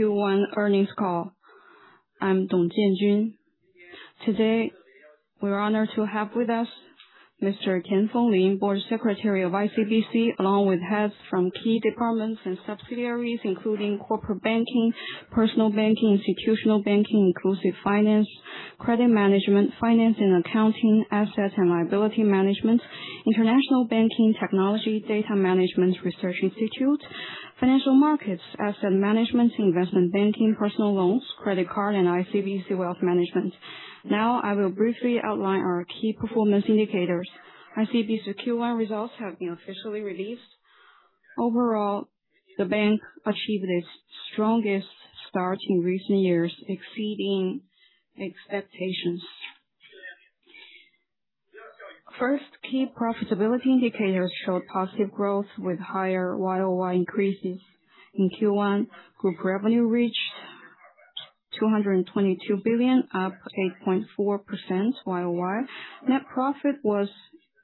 Q1 earnings call. I'm Dong Jianjun. Today, we're honored to have with us Mr. Tian Fenglin, Board Secretary of ICBC, along with heads from key departments and subsidiaries, including Corporate Banking, Personal Banking, institutional banking, Inclusive Finance, credit management, finance and accounting, asset and liability management, international banking, technology, data management, research institute, financial markets, asset management, investment banking, personal loans, credit card, and ICBC Wealth Management. I will briefly outline our key performance indicators. ICBC Q1 results have been officially released. Overall, the bank achieved its strongest start in recent years, exceeding expectations. First, key profitability indicators showed positive growth with higher YoY increases. In Q1, group revenue reached 222 billion, up 8.4% YoY. Net profit was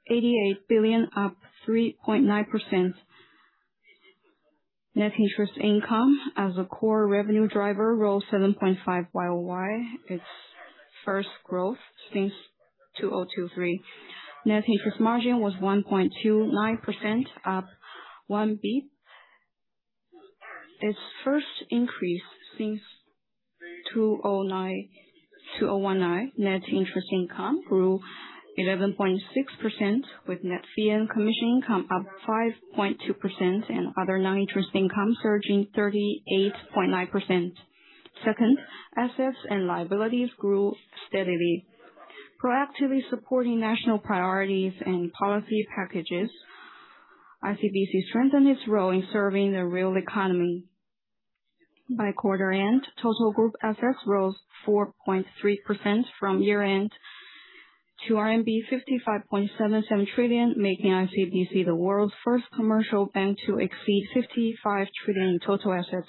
88 billion, up 3.9%. Net interest income as a core revenue driver rose 7.5% YoY, its first growth since 2023. Net interest margin was 1.29%, up 1 basis point. Its first increase since 2019. Net interest income grew 11.6%, with net fee and commission income up 5.2% and other non-interest income surging 38.9%. Second, assets and liabilities grew steadily. Proactively supporting national priorities and policy packages, ICBC strengthened its role in serving the real economy. By quarter end, total group assets rose 4.3% from year-end to RMB 55.77 trillion, making ICBC the world's first commercial bank to exceed 55 trillion in total assets.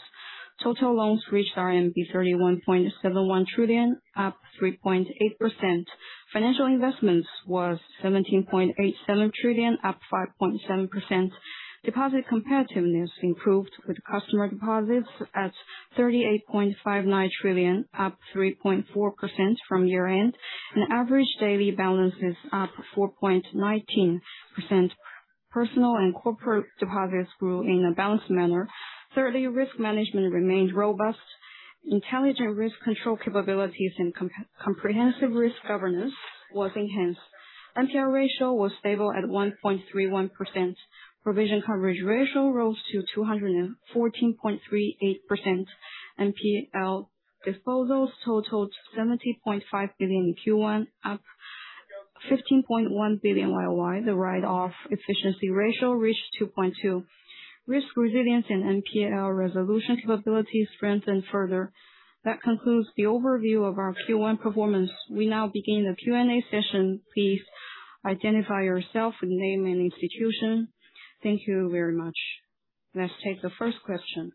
Total loans reached RMB 31.71 trillion, up 3.8%. Financial investments was 17.87 trillion, up 5.7%. Deposit competitiveness improved with customer deposits at 38.59 trillion, up 3.4% from year end, and average daily balance is up 4.19%. Personal and corporate deposits grew in a balanced manner. Thirdly, risk management remained robust. Intelligent risk control capabilities and comprehensive risk governance was enhanced. NPL ratio was stable at 1.31%. Provision coverage ratio rose to 214.38%. NPL disposals totaled 70.5 billion in Q1, up 15.1 billion YoY. The write-off efficiency ratio reached 2.2. Risk resilience and NPL resolution capabilities strengthened further. That concludes the overview of our Q1 performance. We now begin the Q&A session. Please identify yourself with name and institution. Thank you very much. Let's take the first question.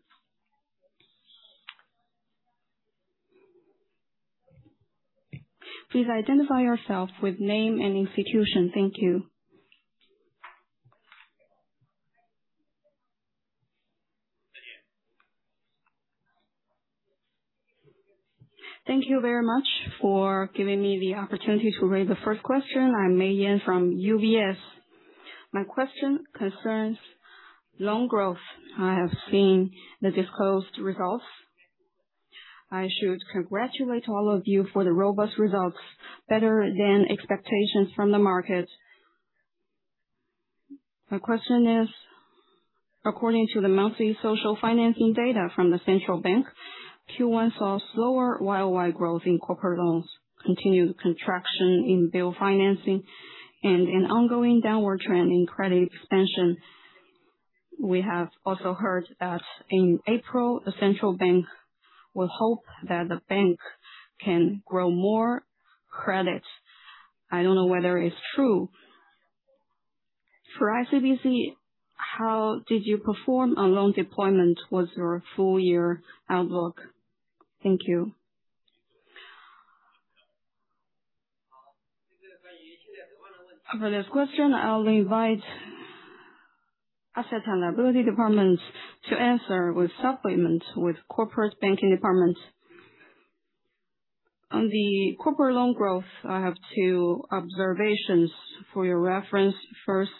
Please identify yourself with name and institution. Thank you. Thank you very much for giving me the opportunity to raise the first question. I'm May Yan from UBS. My question concerns loan growth. I have seen the disclosed results. I should congratulate all of you for the robust results, better than expectations from the market. My question is, according to the monthly social financing data from the Central Bank, Q1 saw slower YoY growth in corporate loans, continued contraction in bill financing, and an ongoing downward trend in credit expansion. We have also heard that in April, the Central Bank will hope that the bank can grow more credit. I don't know whether it's true. For ICBC, how did you perform on loan deployment? What's your full year outlook? Thank you. For this question, I will invite asset and liability departments to answer with supplements with Corporate Banking departments. On the corporate loan growth, I have two observations for your reference. First,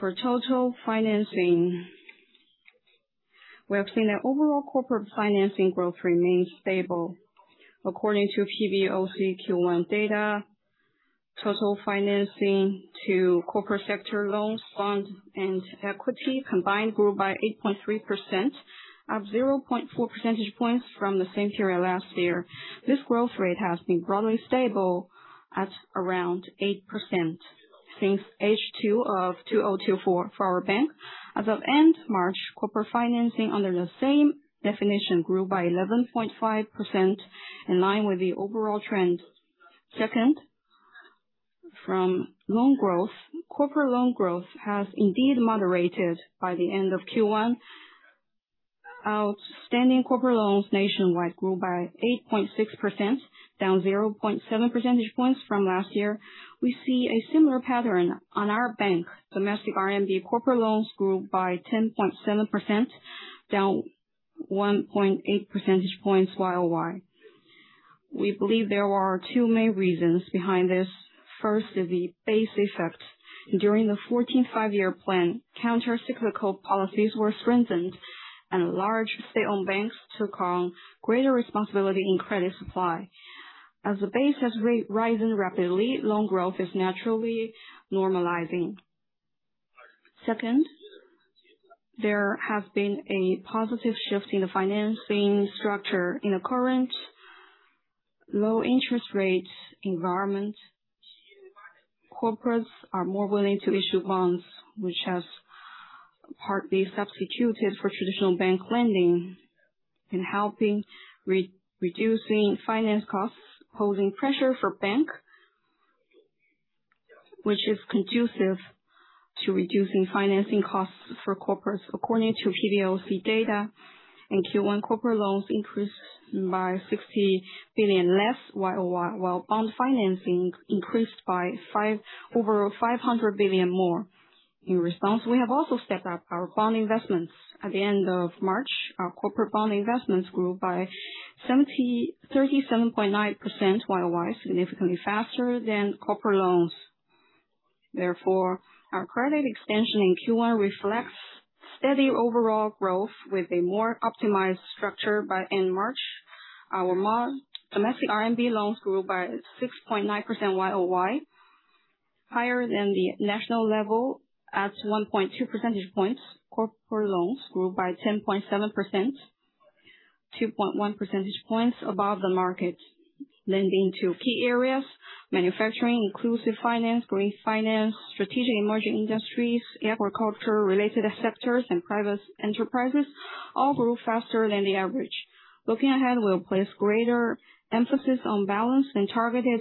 for total financing, we have seen that overall corporate financing growth remains stable. According to PBOC Q1 data, total financing to corporate sector loans, bonds, and equity combined grew by 8.3%, up 0.4 percentage points from the same period last year. This growth rate has been broadly stable at around 8% since H2 of 2024 for our bank. As of end March, corporate financing under the same definition grew by 11.5%, in line with the overall trend. Second, from loan growth, corporate loan growth has indeed moderated by the end of Q1. Outstanding corporate loans nationwide grew by 8.6%, down 0.7 percentage points from last year. We see a similar pattern on our bank. Domestic RMB corporate loans grew by 10.7%, down 1.8 percentage points YoY. We believe there are two main reasons behind this. First is the base effect. During the 14th Five-Year Plan, counter cyclical policies were strengthened and large State-Owned banks took on greater responsibility in credit supply. The base has been rising rapidly, loan growth is naturally normalizing. Second, there has been a positive shift in the financing structure. In the current low interest rate environment, corporates are more willing to issue bonds, which has partly substituted for traditional bank lending, and helping re-reducing finance costs, posing pressure for banks, which is conducive to reducing financing costs for corporates. According to PBOC data, in Q1 corporate loans increased by 60 billion less, while bond financing increased by over 500 billion more. In response, we have also stepped up our bond investments. At the end of March, our corporate bond investments grew by 37.9% YoY, significantly faster than corporate loans. Our credit extension in Q1 reflects steady overall growth with a more optimized structure by end March. Our domestic RMB loans grew by 6.9% YoY, higher than the national level at 1.2 percentage points. Corporate loans grew by 10.7%, 2.1 percentage points above the market. Lending to key areas, manufacturing, Inclusive Finance, green finance, strategic emerging industries, agriculture-related sectors and private enterprises all grew faster than the average. Looking ahead, we'll place greater emphasis on balanced and targeted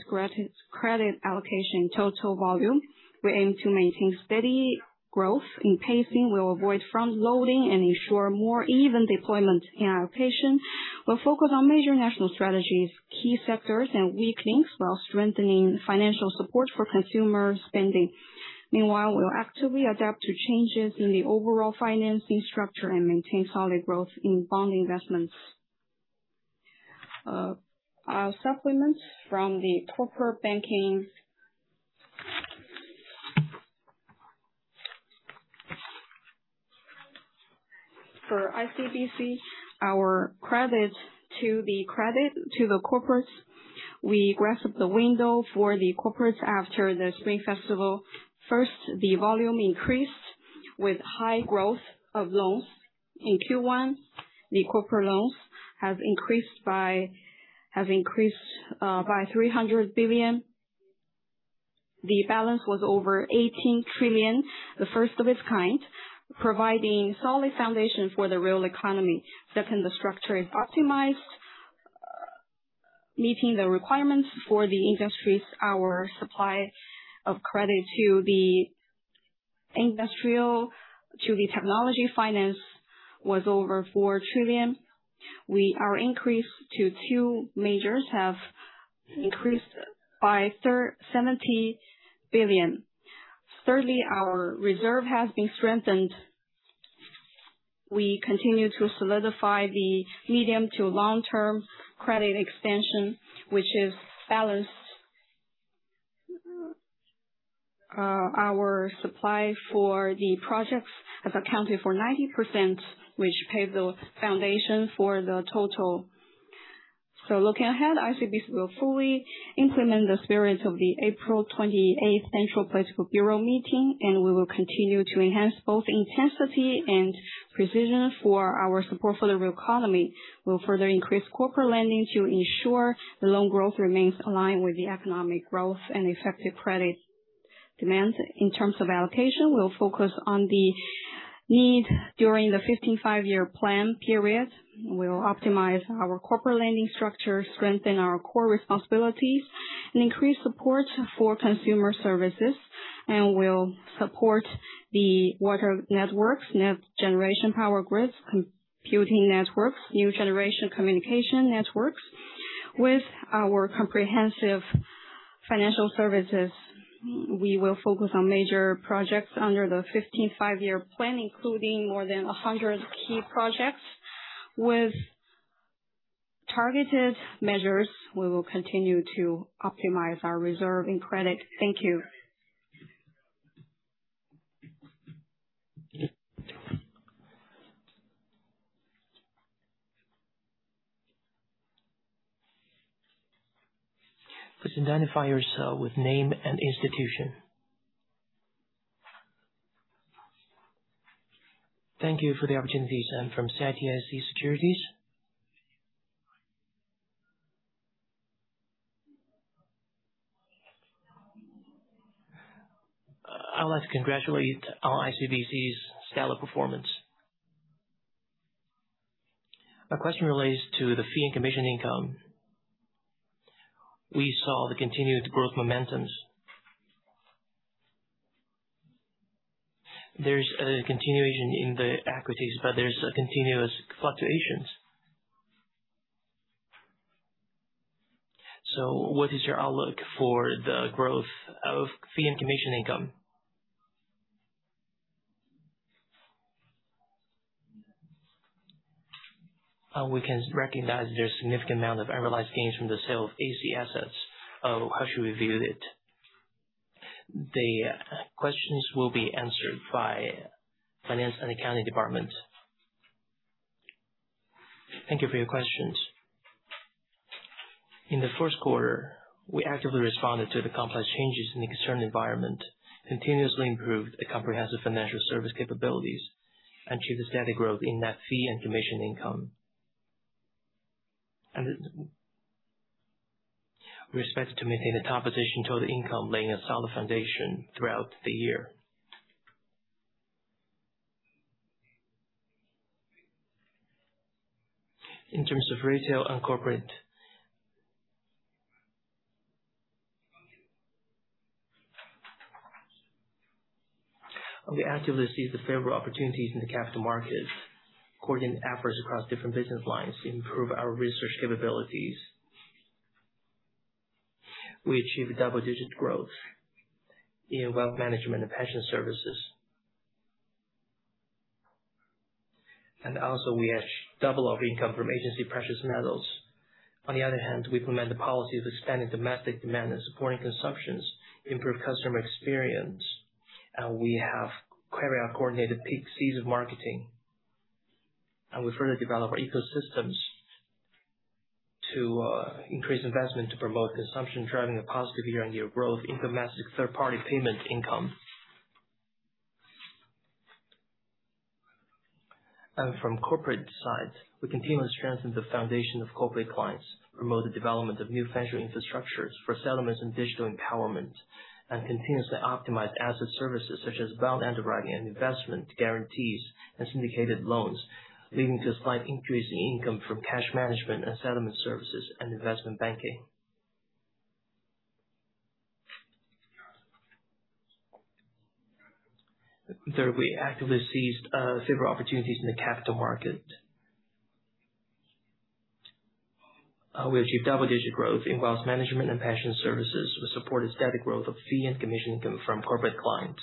credit allocation in total volume. We aim to maintain steady growth. In pacing, we'll avoid front loading and ensure more even deployment in allocation. We're focused on major national strategies, key sectors and weak links, while strengthening financial support for consumer spending. Meanwhile, we'll actively adapt to changes in the overall financing structure and maintain solid growth in bond investments. Our supplements from the Corporate Banking. For ICBC, our credits to the corporates, we grasp the window for the corporates after the Spring Festival. First, the volume increased with high growth of loans. In Q1, the corporate loans have increased by 300 billion. The balance was over 18 trillion, the first of its kind, providing solid foundation for the real economy. The structure is optimized, meeting the requirements for the industries. Our supply of credit to the industrial, to the technology finance was over 4 trillion. Our increase to two majors have increased by 70 billion. Our reserve has been strengthened. We continue to solidify the medium to long-term credit extension, which is balanced. Our supply for the projects has accounted for 90%, which paved the foundation for the total. Looking ahead, ICBC will fully implement the spirit of the April 28th Central Political Bureau meeting, we will continue to enhance both intensity and precision for our support for the real economy. We'll further increase corporate lending to ensure the loan growth remains aligned with the economic growth and effective credit demands. In terms of allocation, we'll focus on the need during the 15th Five-Year Plan period. We'll optimize our corporate lending structure, strengthen our core responsibilities, and increase support for consumer services. We'll support the water networks, new generation power grids, computing networks, new generation communication networks. With our comprehensive financial services, we will focus on major projects under the 15th Five-Year Plan, including more than 100 key projects. With targeted measures, we will continue to optimize our reserve in credit. Thank you. Please identify yourself with name and institution. Thank you for the opportunity. I'm from CITIC Securities. I would like to congratulate ICBC's stellar performance. My question relates to the fee and commission income. We saw the continued growth momentum. There's a continuation in the equities, but there's continuous fluctuations. What is your outlook for the growth of fee and commission income? We can recognize there's significant amount of realized gains from the sale of AC assets. How should we view it? The questions will be answered by finance and accounting department. Thank you for your questions. In the first quarter, we actively responded to the complex changes in the external environment, continuously improved the comprehensive financial service capabilities and achieved a steady growth in that fee and commission income. We expect to maintain the top position total income, laying a solid foundation throughout the year. In terms of retail and corporate, we actively seized the favorable opportunities in the capital markets, coordinated efforts across different business lines to improve our research capabilities. We achieved double-digit growth in Wealth Management and Pension Services. Also, we have double our income from agency precious metals. On the other hand, we implement the policies expanding domestic demand and supporting consumptions, improve customer experience, and we have carry out coordinated peak season marketing. We further develop our ecosystems to increase investment to promote consumption, driving a positive year-on-year growth in domestic third-party payment income. From corporate side, we continuously strengthen the foundation of corporate clients, promote the development of new financial infrastructures for settlements and digital empowerment, and continuously optimize asset services such as bond underwriting and investment guarantees and syndicated loans, leading to a slight increase in income from cash management and settlement services and investment banking. Third, we actively seized several opportunities in the capital market. We achieved double-digit growth in Wealth Management and Pension Services. We support a steady growth of fee and commission income from corporate clients.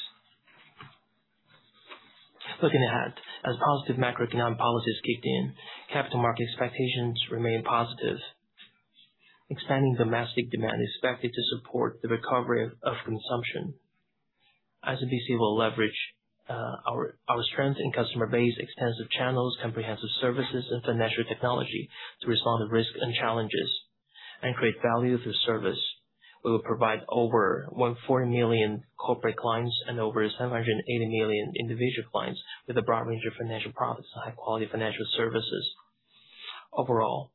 Looking ahead, as positive macroeconomic policies kicked in, capital market expectations remain positive. Expanding domestic demand is expected to support the recovery of consumption. ICBC will leverage our strength and customer base, extensive channels, comprehensive services and financial technology to resolve the risk and challenges and create value through service. We will provide over 140 million corporate clients and over 780 million individual clients with a broad range of financial products and high-quality financial services. Overall,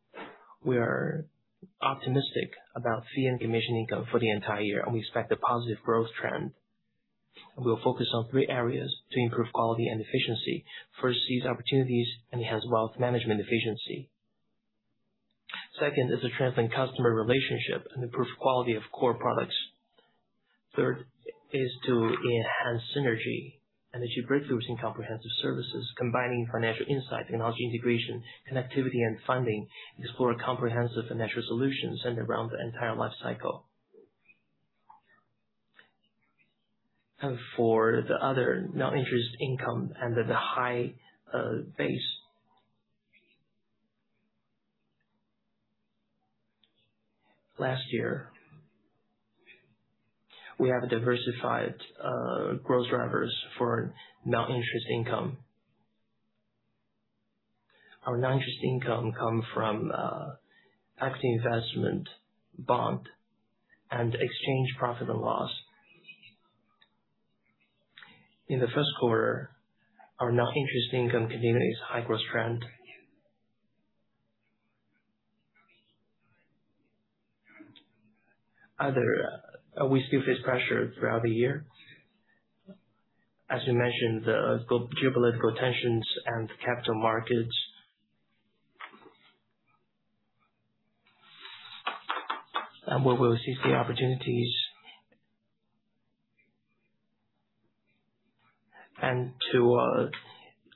we are optimistic about fee and commission income for the entire year, we expect a positive growth trend. We'll focus on three areas to improve quality and efficiency. First, seize opportunities, enhance wealth management efficiency. Second is to strengthen customer relationship and improve quality of core products. Third is to enhance synergy and achieve breakthroughs in comprehensive services, combining financial insight, technology integration, connectivity and funding, explore comprehensive financial solutions and around the entire life cycle. For the other non-interest income under the high base. Last year, we have diversified growth drivers for non-interest income. Our non-interest income come from tax investment, bond, and exchange profit and loss. In the first quarter, our non-interest income continues high-growth trend. We still face pressure throughout the year. As you mentioned, the geopolitical tensions and capital markets. We will seize the opportunities. To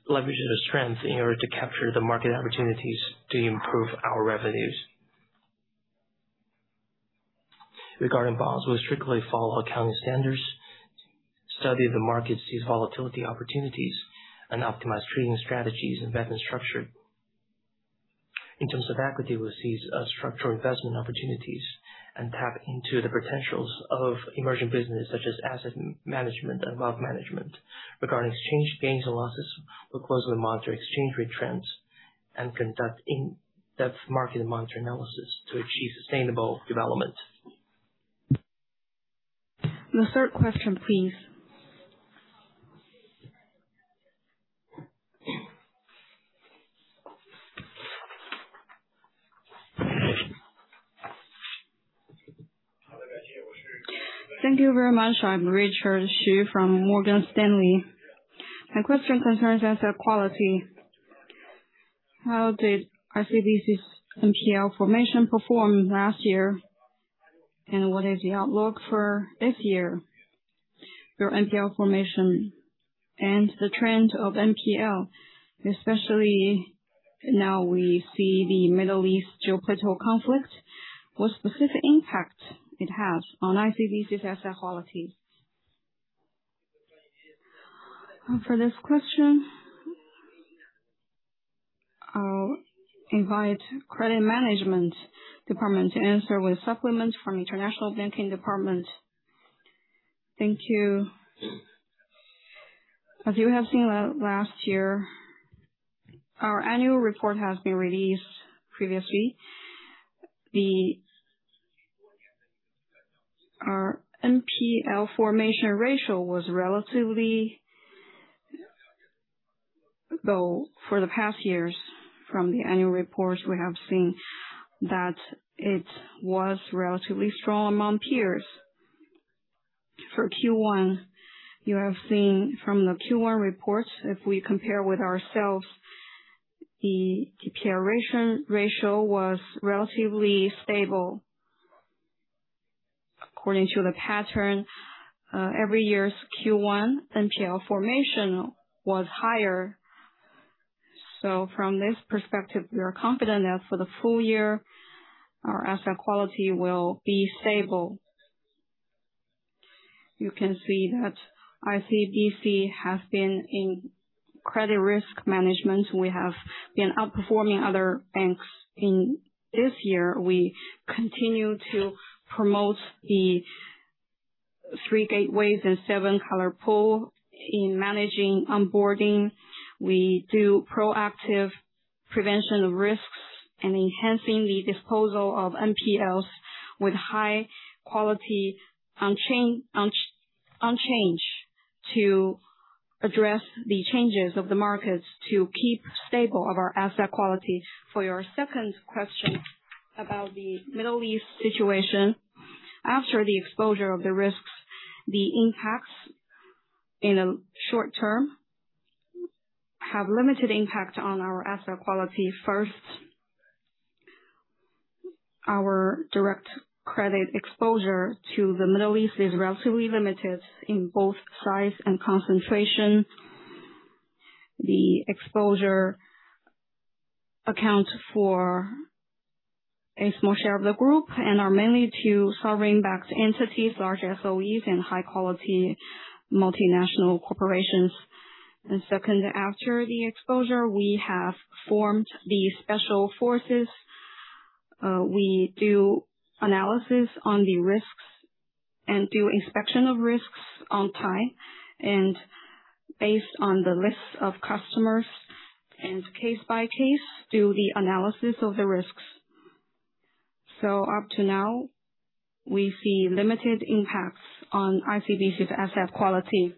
leverage the strength in order to capture the market opportunities to improve our revenues. Regarding bonds, we strictly follow accounting standards, study the market, seize volatility opportunities and optimize trading strategies, investment structure. In terms of equity, we seize structural investment opportunities and tap into the potentials of emerging business such as asset management and wealth management. Regarding exchange gains and losses, we will closely monitor exchange rate trends and conduct in-depth market and monitor analysis to achieve sustainable development. The third question, please. Thank you very much. I'm Richard Xu from Morgan Stanley. My question concerns asset quality. How did ICBC's NPL formation perform last year? What is the outlook for this year for NPL formation and the trend of NPL? Especially now we see the Middle East geopolitical conflict. What specific impact it has on ICBC's asset quality? For this question, I'll invite credit management department to answer with supplements from international banking department. Thank you. As you have seen last year, our annual report has been released previously. Our NPL formation ratio was relatively low for the past years. From the annual reports, we have seen that it was relatively strong among peers. For Q1, you have seen from the Q1 reports, if we compare with ourselves, the ratio was relatively stable. According to the pattern, every year's Q1 NPL formation was higher. From this perspective, we are confident that for the full year, our asset quality will be stable. You can see that ICBC has been in credit risk management. We have been outperforming other banks. In this year, we continue to promote the Three Gateways and Seven Color Pool in managing onboarding. We do proactive prevention of risks and enhancing the disposal of NPLs with high quality unchanged to address the changes of the markets to keep stable of our asset quality. For your second question about the Middle East situation. After the exposure of the risks, the impacts in the short term have limited impact on our asset quality first. Our direct credit exposure to the Middle East is relatively limited in both size and concentration. The exposure account for a small share of the group and are mainly to sovereign-backed entities, large SOEs, and high-quality multinational corporations. Second, after the exposure, we have formed the special forces. We do analysis on the risks and do inspection of risks on time. Based on the list of customers and case by case, do the analysis of the risks. Up to now, we see limited impacts on ICBC's asset quality.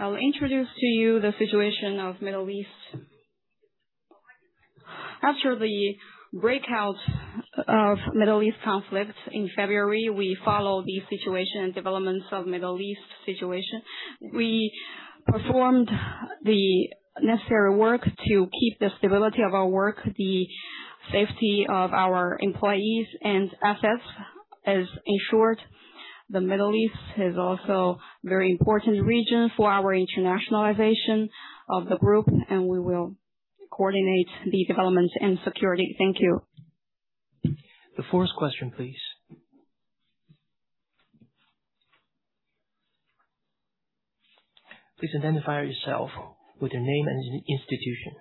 I will introduce to you the situation of Middle East. After the breakout of Middle East conflict in February, we followed the situation and developments of Middle East situation. We performed the necessary work to keep the stability of our work. The safety of our employees and assets is ensured. The Middle East is also very important region for our internationalization of the group, and we will coordinate the development and security. Thank you. The fourth question, please. Please identify yourself with your name and institution.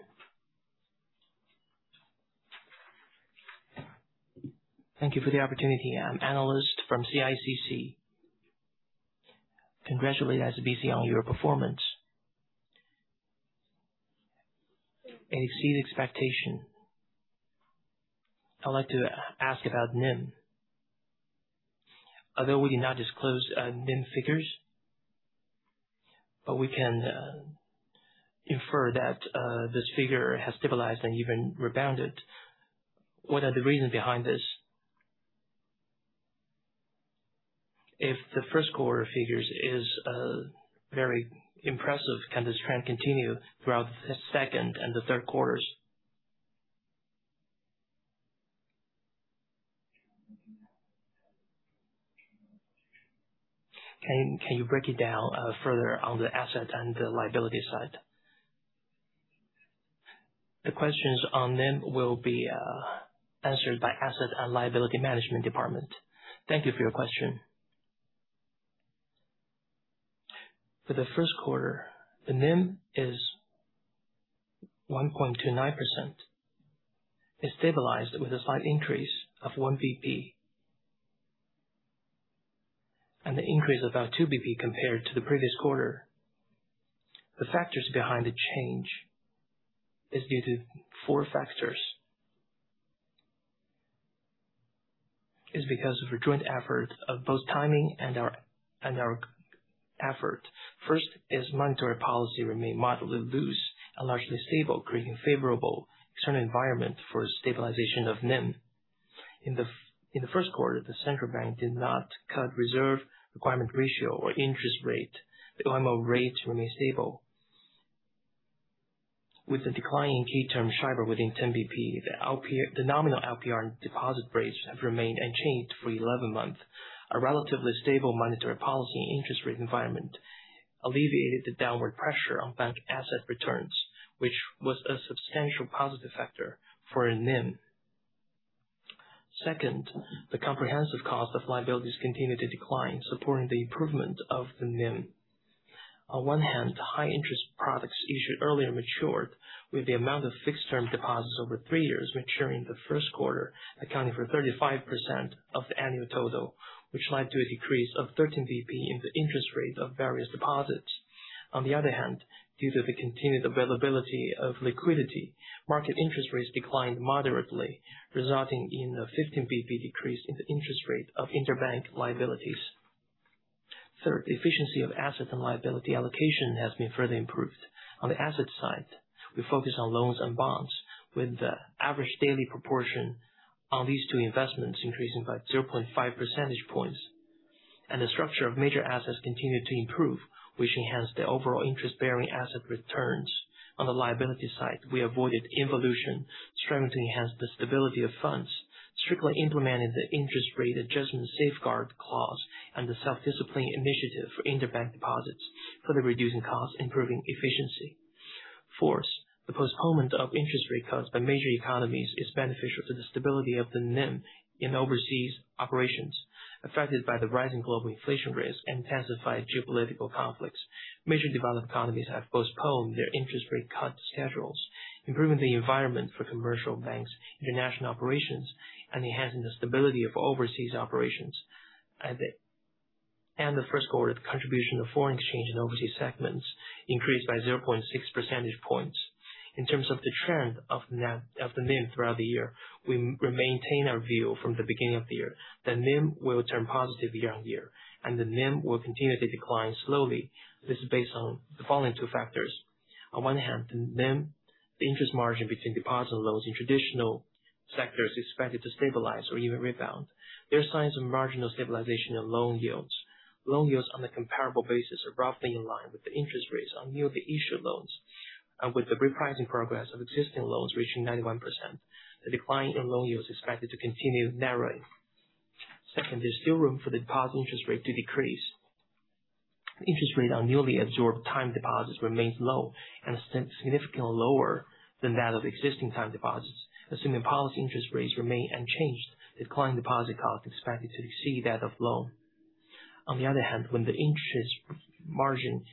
Thank you for the opportunity. I'm analyst from CICC. Congratulate ICBC on your performance. Exceed expectation. I'd like to ask about NIM. Although we do not disclose NIM figures, we can infer that this figure has stabilized and even rebounded. What are the reasons behind this? If the first quarter figures is very impressive, can this trend continue throughout the second and the third quarters? Can you break it down further on the asset and the liability side? The questions on NIM will be answered by Asset and Liability Management Department. Thank you for your question. For the first quarter, the NIM is 1.29%. It stabilized with a slight increase of 1 basis point. The increase of about 2 basis points compared to the previous quarter. The factors behind the change is due to four factors. It is because of a joint effort of both timing and our, and our effort. First, monetary policy remained moderately loose and largely stable, creating a favorable external environment for stabilization of NIM. In the first quarter, the central bank did not cut reserve requirement ratio or interest rate. The LMO rates remained stable. With the decline in key-term SHIBOR within 10 basis points, the nominal LPR deposit rates have remained unchanged for 11 months. A relatively stable monetary policy and interest rate environment alleviated the downward pressure on bank asset returns, which was a substantial positive factor for NIM. Second, the comprehensive cost of liabilities continued to decline, supporting the improvement of the NIM. On one hand, high interest products issued earlier matured with the amount of fixed term deposits over three years maturing in the first quarter, accounting for 35% of the annual total, which led to a decrease of 13 basis points in the interest rate of various deposits. On the other hand, due to the continued availability of liquidity, market interest rates declined moderately, resulting in a 15 basis points decrease in the interest rate of interbank liabilities. Third, the efficiency of asset and liability allocation has been further improved. On the asset side, we focus on loans and bonds with the average daily proportion on these two investments increasing by 0.5 percentage points. The structure of major assets continued to improve, which enhanced the overall interest bearing asset returns. On the liability side, we avoided involution, striving to enhance the stability of funds, strictly implementing the Interest Rate Adjustment Safeguard Clause and the Self-Discipline Initiative for Interbank Deposits, further reducing costs, improving efficiency. Fourth, the postponement of interest rate cuts by major economies is beneficial to the stability of the NIM in overseas operations. Affected by the rising global inflation rates and intensified geopolitical conflicts, major developed economies have postponed their interest rate cut schedules, improving the environment for commercial banks' international operations and enhancing the stability of overseas operations. The first quarter, the contribution of Foreign Exchange and overseas segments increased by 0.6 percentage points. In terms of the trend of the NIM throughout the year, we maintain our view from the beginning of the year. The NIM will turn positive year-over-year, and the NIM will continue to decline slowly. This is based on the following two factors. On one hand, the NIM, the interest margin between deposit and loans in traditional sectors is expected to stabilize or even rebound. There are signs of marginal stabilization in loan yields. Loan yields on a comparable basis are roughly in line with the interest rates on newly issued loans. With the repricing progress of existing loans reaching 91%, the decline in loan yield is expected to continue narrowing. Second, there's still room for the deposit interest rate to decrease. Interest rate on newly absorbed time deposits remains low and significantly lower than that of existing time deposits. Assuming policy interest rates remain unchanged, declining deposit costs expected to exceed that of loan. On the other hand, when the interest margin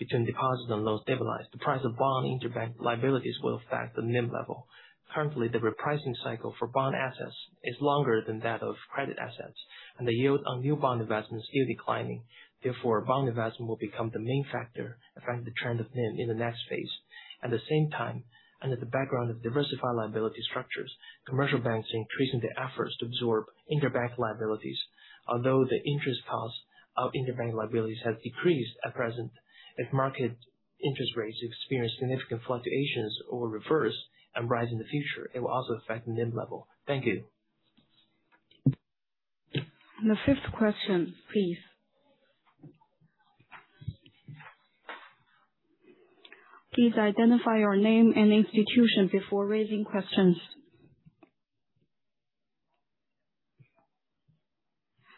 between deposits and loans stabilize, the price of bond interbank liabilities will affect the NIM level. Currently, the repricing cycle for bond assets is longer than that of credit assets, and the yield on new bond investments is declining. Bond investment will become the main factor affecting the trend of NIM in the next phase. Under the background of diversified liability structures, commercial banks are increasing their efforts to absorb interbank liabilities. The interest costs of interbank liabilities have decreased at present, if market interest rates experience significant fluctuations or reverse and rise in the future, it will also affect NIM level. Thank you. The fifth question, please. Please identify your name and institution before raising questions.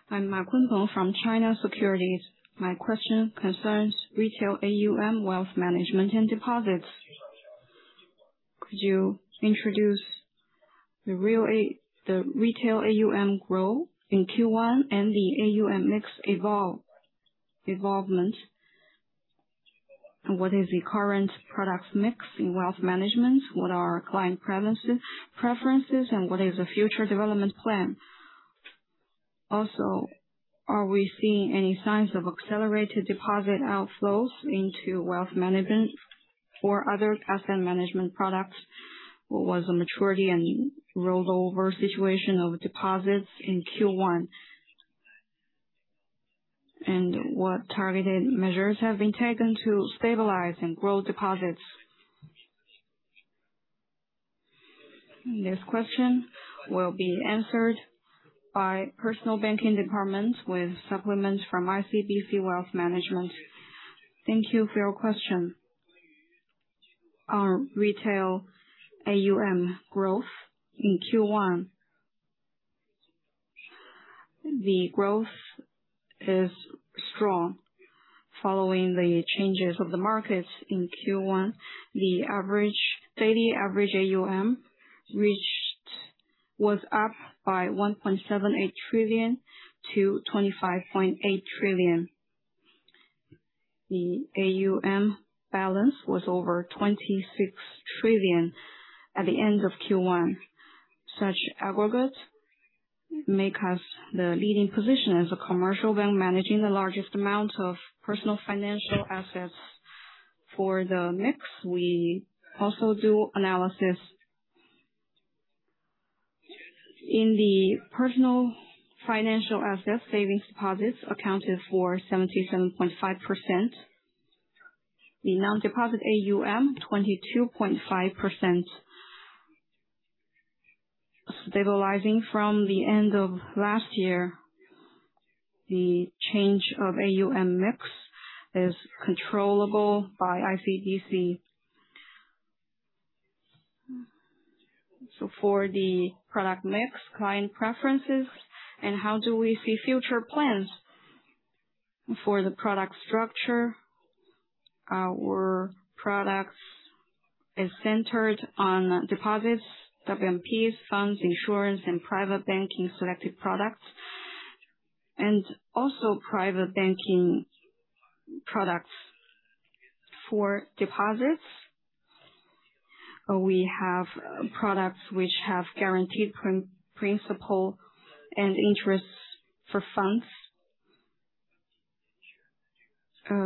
I'm Ma Kunpeng from China Securities. My question concerns retail AUM wealth management and deposits. Could you introduce the retail AUM growth in Q1 and the AUM mix evolvement? What is the current products mix in wealth management? What are client preferences, and what is the future development plan? Are we seeing any signs of accelerated deposit outflows into wealth management or other asset management products? What was the maturity and rollover situation of deposits in Q1? What targeted measures have been taken to stabilize and grow deposits? This question will be answered by Personal Banking Department with supplements from ICBC Wealth Management. Thank you for your question. Our retail AUM growth in Q1. The growth is strong. Following the changes of the markets in Q1, the average, daily average AUM was up by 1.78 trillion to 25.8 trillion. The AUM balance was over 26 trillion at the end of Q1. Such aggregate make us the leading position as a commercial bank managing the largest amount of personal financial assets. For the mix, we also do analysis. In the personal financial assets, savings deposits accounted for 77.5%. The non-deposit AUM, 22.5%. Stabilizing from the end of last year, the change of AUM mix is controllable by ICBC. For the product mix, client preferences, and how do we see future plans? For the product structure, our products is centered on deposits, WMPs, funds, insurance, and private banking selected products, and also private banking products for deposits. We have products which have guaranteed principal and interest for funds.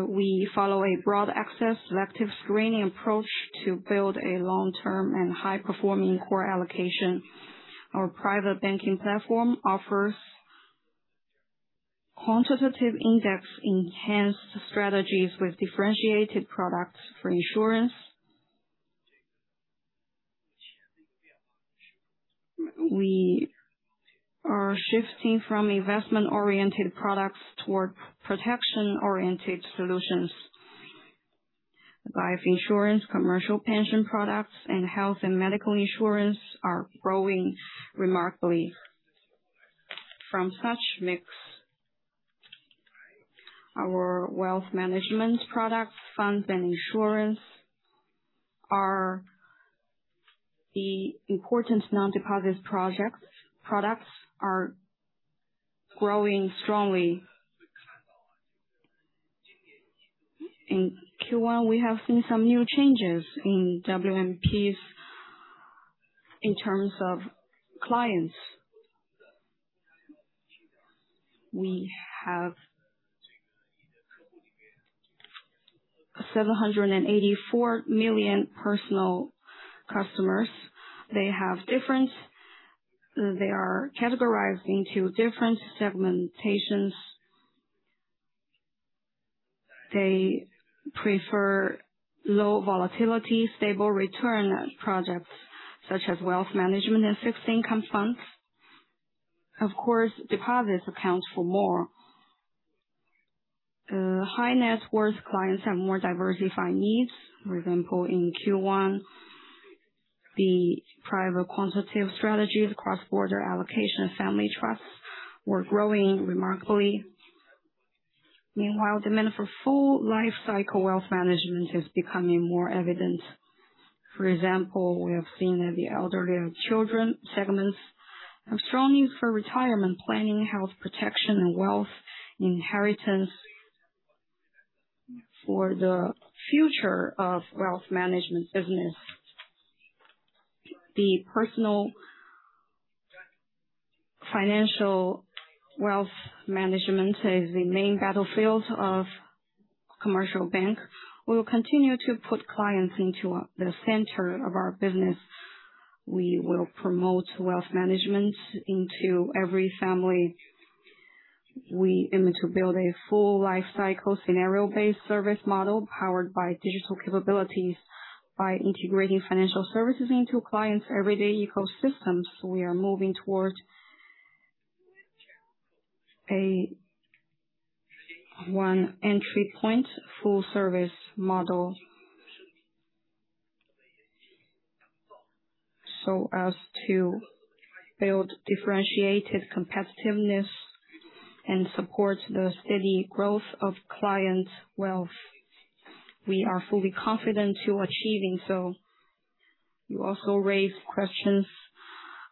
We follow a broad access selective screening approach to build a long-term and high-performing core allocation. Our private banking platform offers quantitative index enhanced strategies with differentiated products for insurance. We are shifting from investment-oriented products toward protection-oriented solutions. Life insurance, commercial pension products, and health and medical insurance are growing remarkably. From such mix, our wealth management products, funds, and insurance are the important non-deposit products are growing strongly. In Q1, we have seen some new changes in WMPs in terms of clients. We have 784 million personal customers. They are categorized into different segmentations. They prefer low volatility, stable return projects such as wealth management and fixed income funds. Of course, deposits account for more. High net worth clients have more diversified needs. For example, in Q1, the private quantitative strategies, cross-border allocation, and family trusts were growing remarkably. Meanwhile, demand for full life cycle wealth management is becoming more evident. For example, we have seen that the elderly and children segments have strong need for retirement planning, health protection, and wealth inheritance. For the future of wealth management business, the personal financial wealth management is the main battlefields of commercial bank. We will continue to put clients into the center of our business. We will promote wealth management into every family. We aim to build a full life cycle scenario-based service model powered by digital capabilities by integrating financial services into clients' everyday ecosystems. We are moving towards a one entry point full service model so as to build differentiated competitiveness and support the steady growth of client wealth. We are fully confident to achieving so. You also raised questions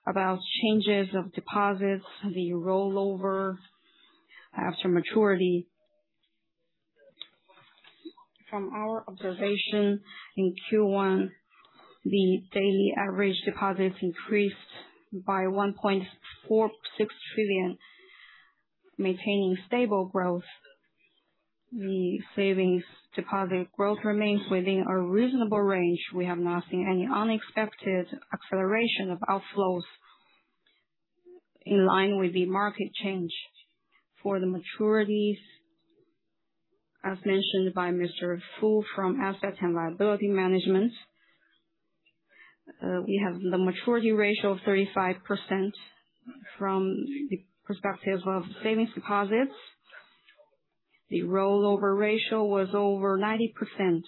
about changes of deposits, the rollover after maturity. From our observation in Q1, the daily average deposits increased by 1.46 trillion, maintaining stable growth. The savings deposit growth remains within a reasonable range. We have not seen any unexpected acceleration of outflows in line with the market change. For the maturities, as mentioned by Mr. Fu from Asset and Liability Management, we have the maturity ratio of 35% from the perspective of savings deposits. The rollover ratio was over 90%.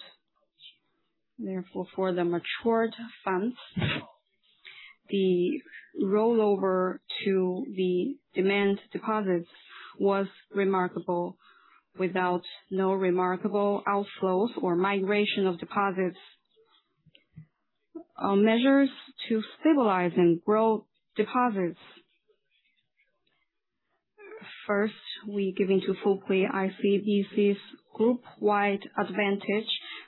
Therefore, for the matured funds, the rollover to the demand deposits was remarkable without no remarkable outflows or migration of deposits. Our measures to stabilize and grow deposits. First, we give into full play ICBC's group-wide advantage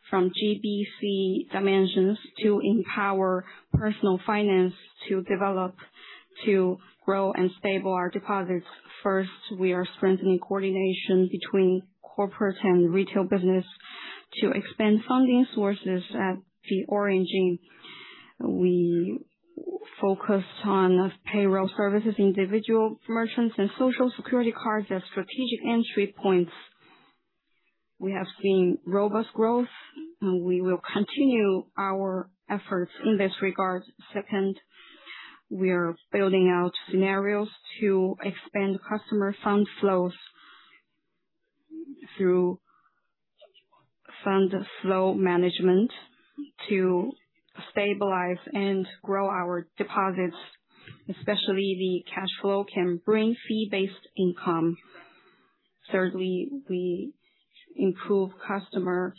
from GBC dimensions to empower personal finance to develop, to grow and stable our deposits. First, we are strengthening coordination between corporate and retail business to expand funding sources at the origin. We focus on payroll services, individual merchants, and Social Security cards as strategic entry points. We have seen robust growth, and we will continue our efforts in this regard. Second, we are building out scenarios to expand customer fund flows through- Fund flow management to stabilize and grow our deposits, especially the cash flow, can bring fee-based income. We improve customer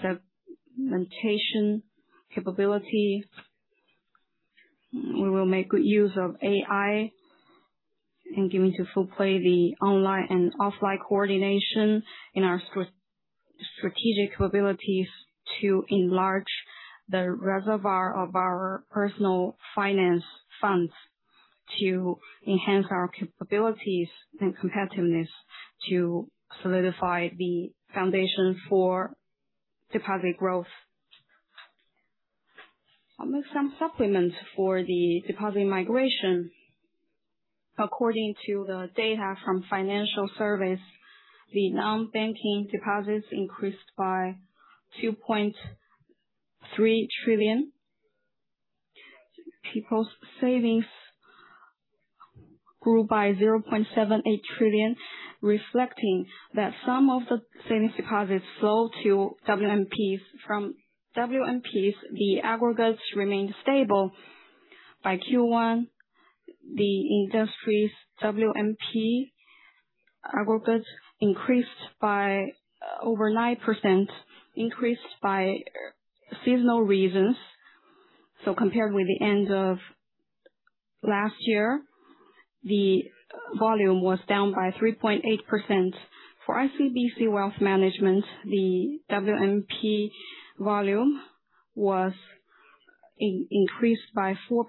segmentation capability. We will make good use of AI and giving to full play the online and offline coordination in our strategic capabilities to enlarge the reservoir of our personal finance funds to enhance our capabilities and competitiveness to solidify the foundation for deposit growth. I'll make some supplements for the deposit migration. According to the data from financial service, the non-banking deposits increased by 2.3 trillion. People's savings grew by 0.78 trillion, reflecting that some of the savings deposits sold to WMPs, the aggregates remained stable. By Q1, the industry's WMP aggregates increased by over 9% by seasonal reasons. Compared with the end of last year, the volume was down by 3.8%. For ICBC Wealth Management, the WMP volume was increased by 4%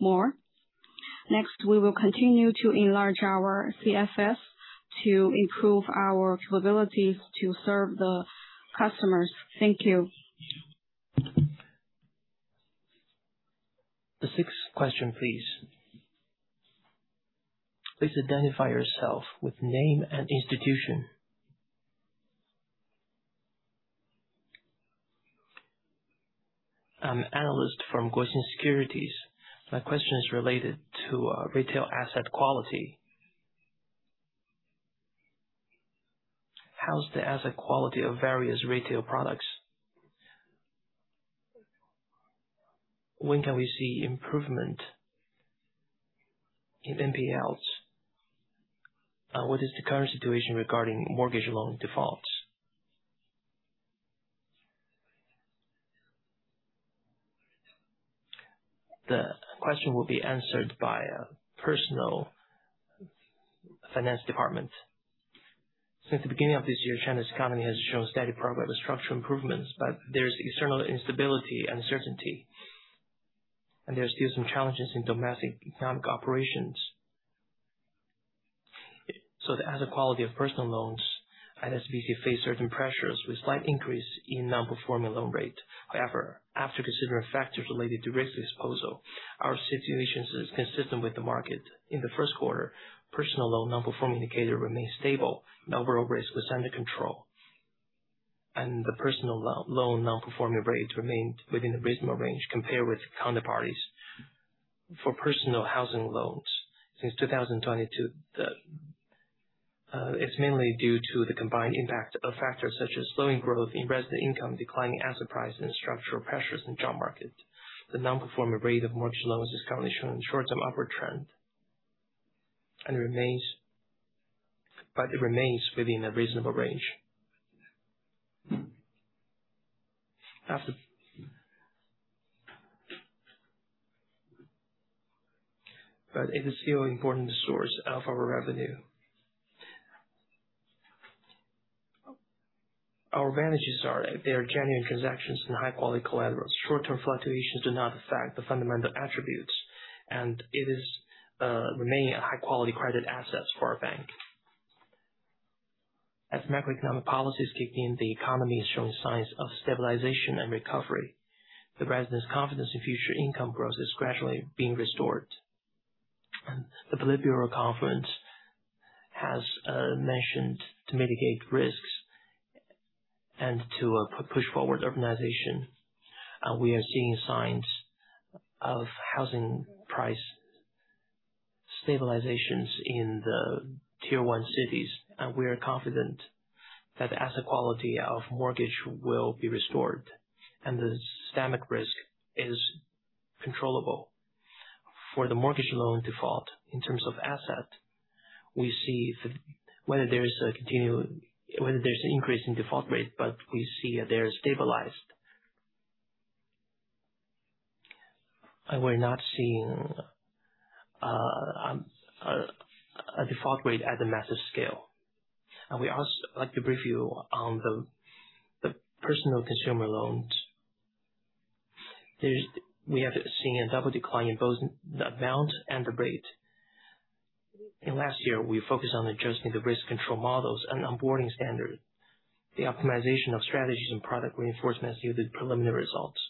more. We will continue to enlarge our CFS to improve our capabilities to serve the customers. Thank you. The sixth question, please. Please identify yourself with name and institution. I'm an analyst from Guosen Securities. My question is related to retail asset quality. How's the asset quality of various retail products? When can we see improvement in NPLs? What is the current situation regarding mortgage loan defaults? The question will be answered by personal finance department. Since the beginning of this year, China's economy has shown steady progress with structural improvements, there is external instability, uncertainty, and there are still some challenges in domestic economic operations. The asset quality of personal loans at ICBC face certain pressures with slight increase in non-performing loan rate. However, after considering factors related to risk disposal, our situation is consistent with the market. In the first quarter, personal loan non-performing indicator remained stable and overall risk was under control. The personal loan non-performing rate remained within a reasonable range compared with counterparties. For personal housing loans, since 2022, it's mainly due to the combined impact of factors such as slowing growth in resident income, declining asset prices, structural pressures in job market. The non-performing rate of mortgage loans has currently shown short-term upward trend and it remains within a reasonable range. It is still an important source of our revenue. Our advantages are they are genuine transactions and high-quality collateral. Short-term fluctuations do not affect the fundamental attributes, and it is remain a high-quality credit assets for our bank. As macroeconomic policies kick in, the economy is showing signs of stabilization and recovery. The residents' confidence in future income growth is gradually being restored. The Politburo conference has mentioned to mitigate risks and to push forward urbanization. We are seeing signs of housing price stabilizations in the Tier 1 cities, and we are confident that the asset quality of mortgage will be restored and the systemic risk is controllable. For the mortgage loan default in terms of asset, we see whether there's an increase in default rate, but we see they are stabilized. We're not seeing a default rate at a massive scale. We also like to brief you on the personal consumer loans. We have seen a double decline in both the amount and the rate. In last year, we focused on adjusting the risk control models and onboarding standard. The optimization of strategies and product reinforcements yielded preliminary results.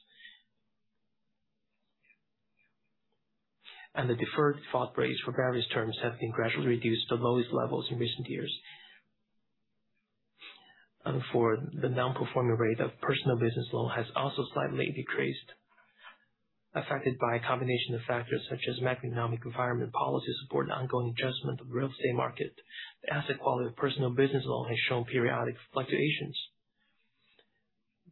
The deferred default rates for various terms have been gradually reduced to the lowest levels in recent years. For the non-performing rate of personal business loan has also slightly decreased. Affected by a combination of factors such as macroeconomic environment, policy support, and ongoing adjustment of real estate market, the asset quality of personal business loan has shown periodic fluctuations.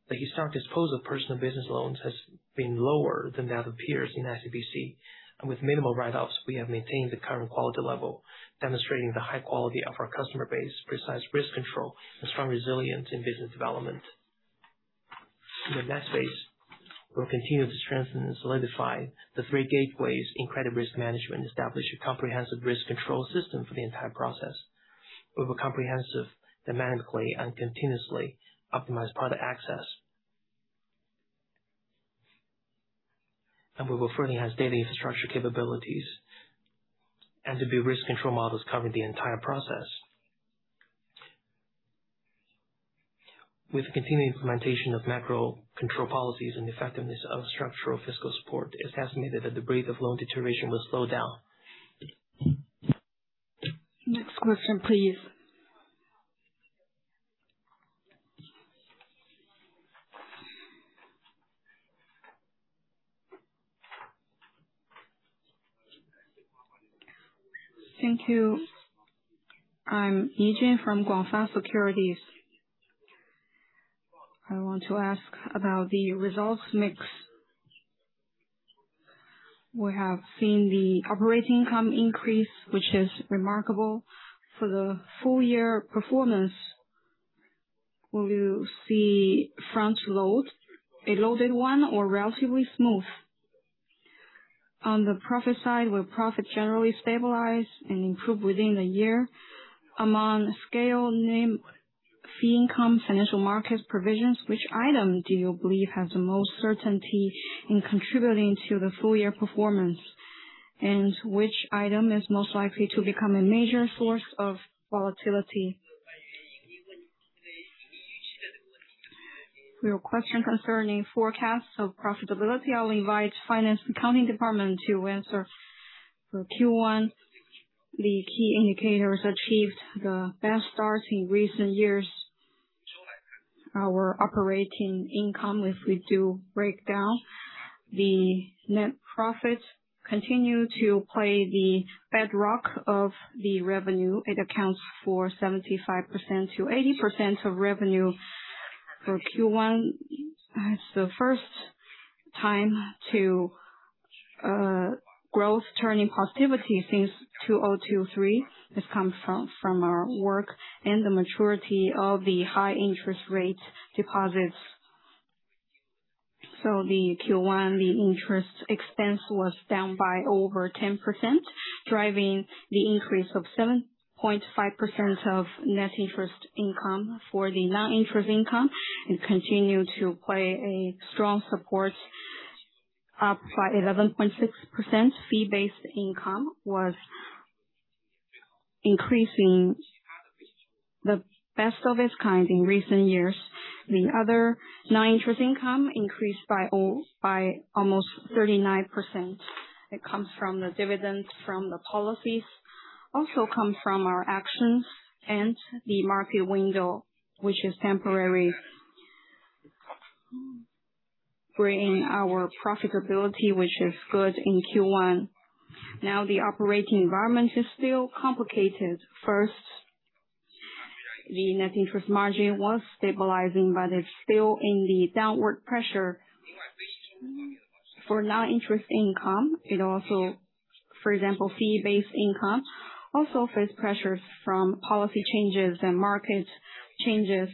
The historic disposal of personal business loans has been lower than that of peers in ICBC, and with minimal write-offs, we have maintained the current quality level, demonstrating the high quality of our customer base, precise risk control, and strong resilience in business development. In the next phase, we'll continue to strengthen and solidify the Three Gateways in credit risk management, establish a comprehensive risk control system for the entire process. We have a comprehensive dynamically and continuously optimized product access. We will further enhance data infrastructure capabilities, and to build risk control models covering the entire process. With the continued implementation of macro control policies and the effectiveness of structural fiscal support, it's estimated that the rate of loan deterioration will slow down. Next question, please. Thank you. I'm Ni Jun from Guangfa Securities. I want to ask about the results mix. We have seen the operating income increase, which is remarkable. For the full year performance, will you see front load, a loaded one or relatively smooth? On the profit side, will profit generally stabilize and improve within the year? Among scale, NIM, fee income, financial markets provisions, which item do you believe has the most certainty in contributing to the full year performance? Which item is most likely to become a major source of volatility? Your question concerning forecasts of profitability, I'll invite finance accounting department to answer. For Q1, the key indicators achieved the best start in recent years. Our operating income, if we do break down, the net profits continue to play the bedrock of the revenue. It accounts for 75%-80% of revenue. For Q1, it's the first time to growth turning positivity since 2023. This comes from our work and the maturity of the high interest rate deposits. The Q1, the interest expense was down by over 10%, driving the increase of 7.5% of net interest income. For the non-interest income, it continued to play a strong support, up by 11.6%. Fee-based income was increasing the best of its kind in recent years. The other non-interest income increased by almost 39%. It comes from the dividends from the policies, also comes from our actions and the market window, which is temporary. Bringing our profitability, which is good in Q1. The operating environment is still complicated. First, the net interest margin was stabilizing, but it's still in the downward pressure. For non-interest income, for example, fee-based income also face pressures from policy changes and market changes.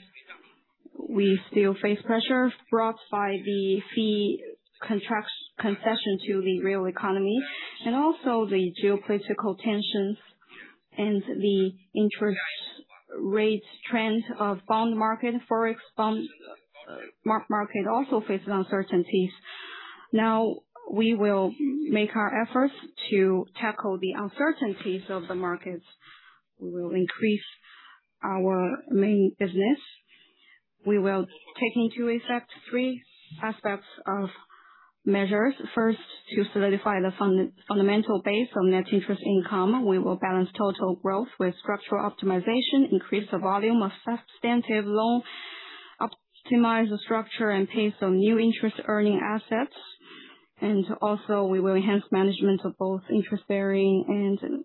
We still face pressure brought by the fee contract concession to the real economy, and also the geopolitical tensions and the interest rate trend of bond market, Forex bond market also faces uncertainties. We will make our efforts to tackle the uncertainties of the markets. We will increase our main business. We will take into effect three aspects of measures. First, to solidify the fund-fundamental base of net interest income, we will balance total growth with structural optimization, increase the volume of substantive loan, optimize the structure, and pace of new interest earning assets. Also, we will enhance management of both interest bearing and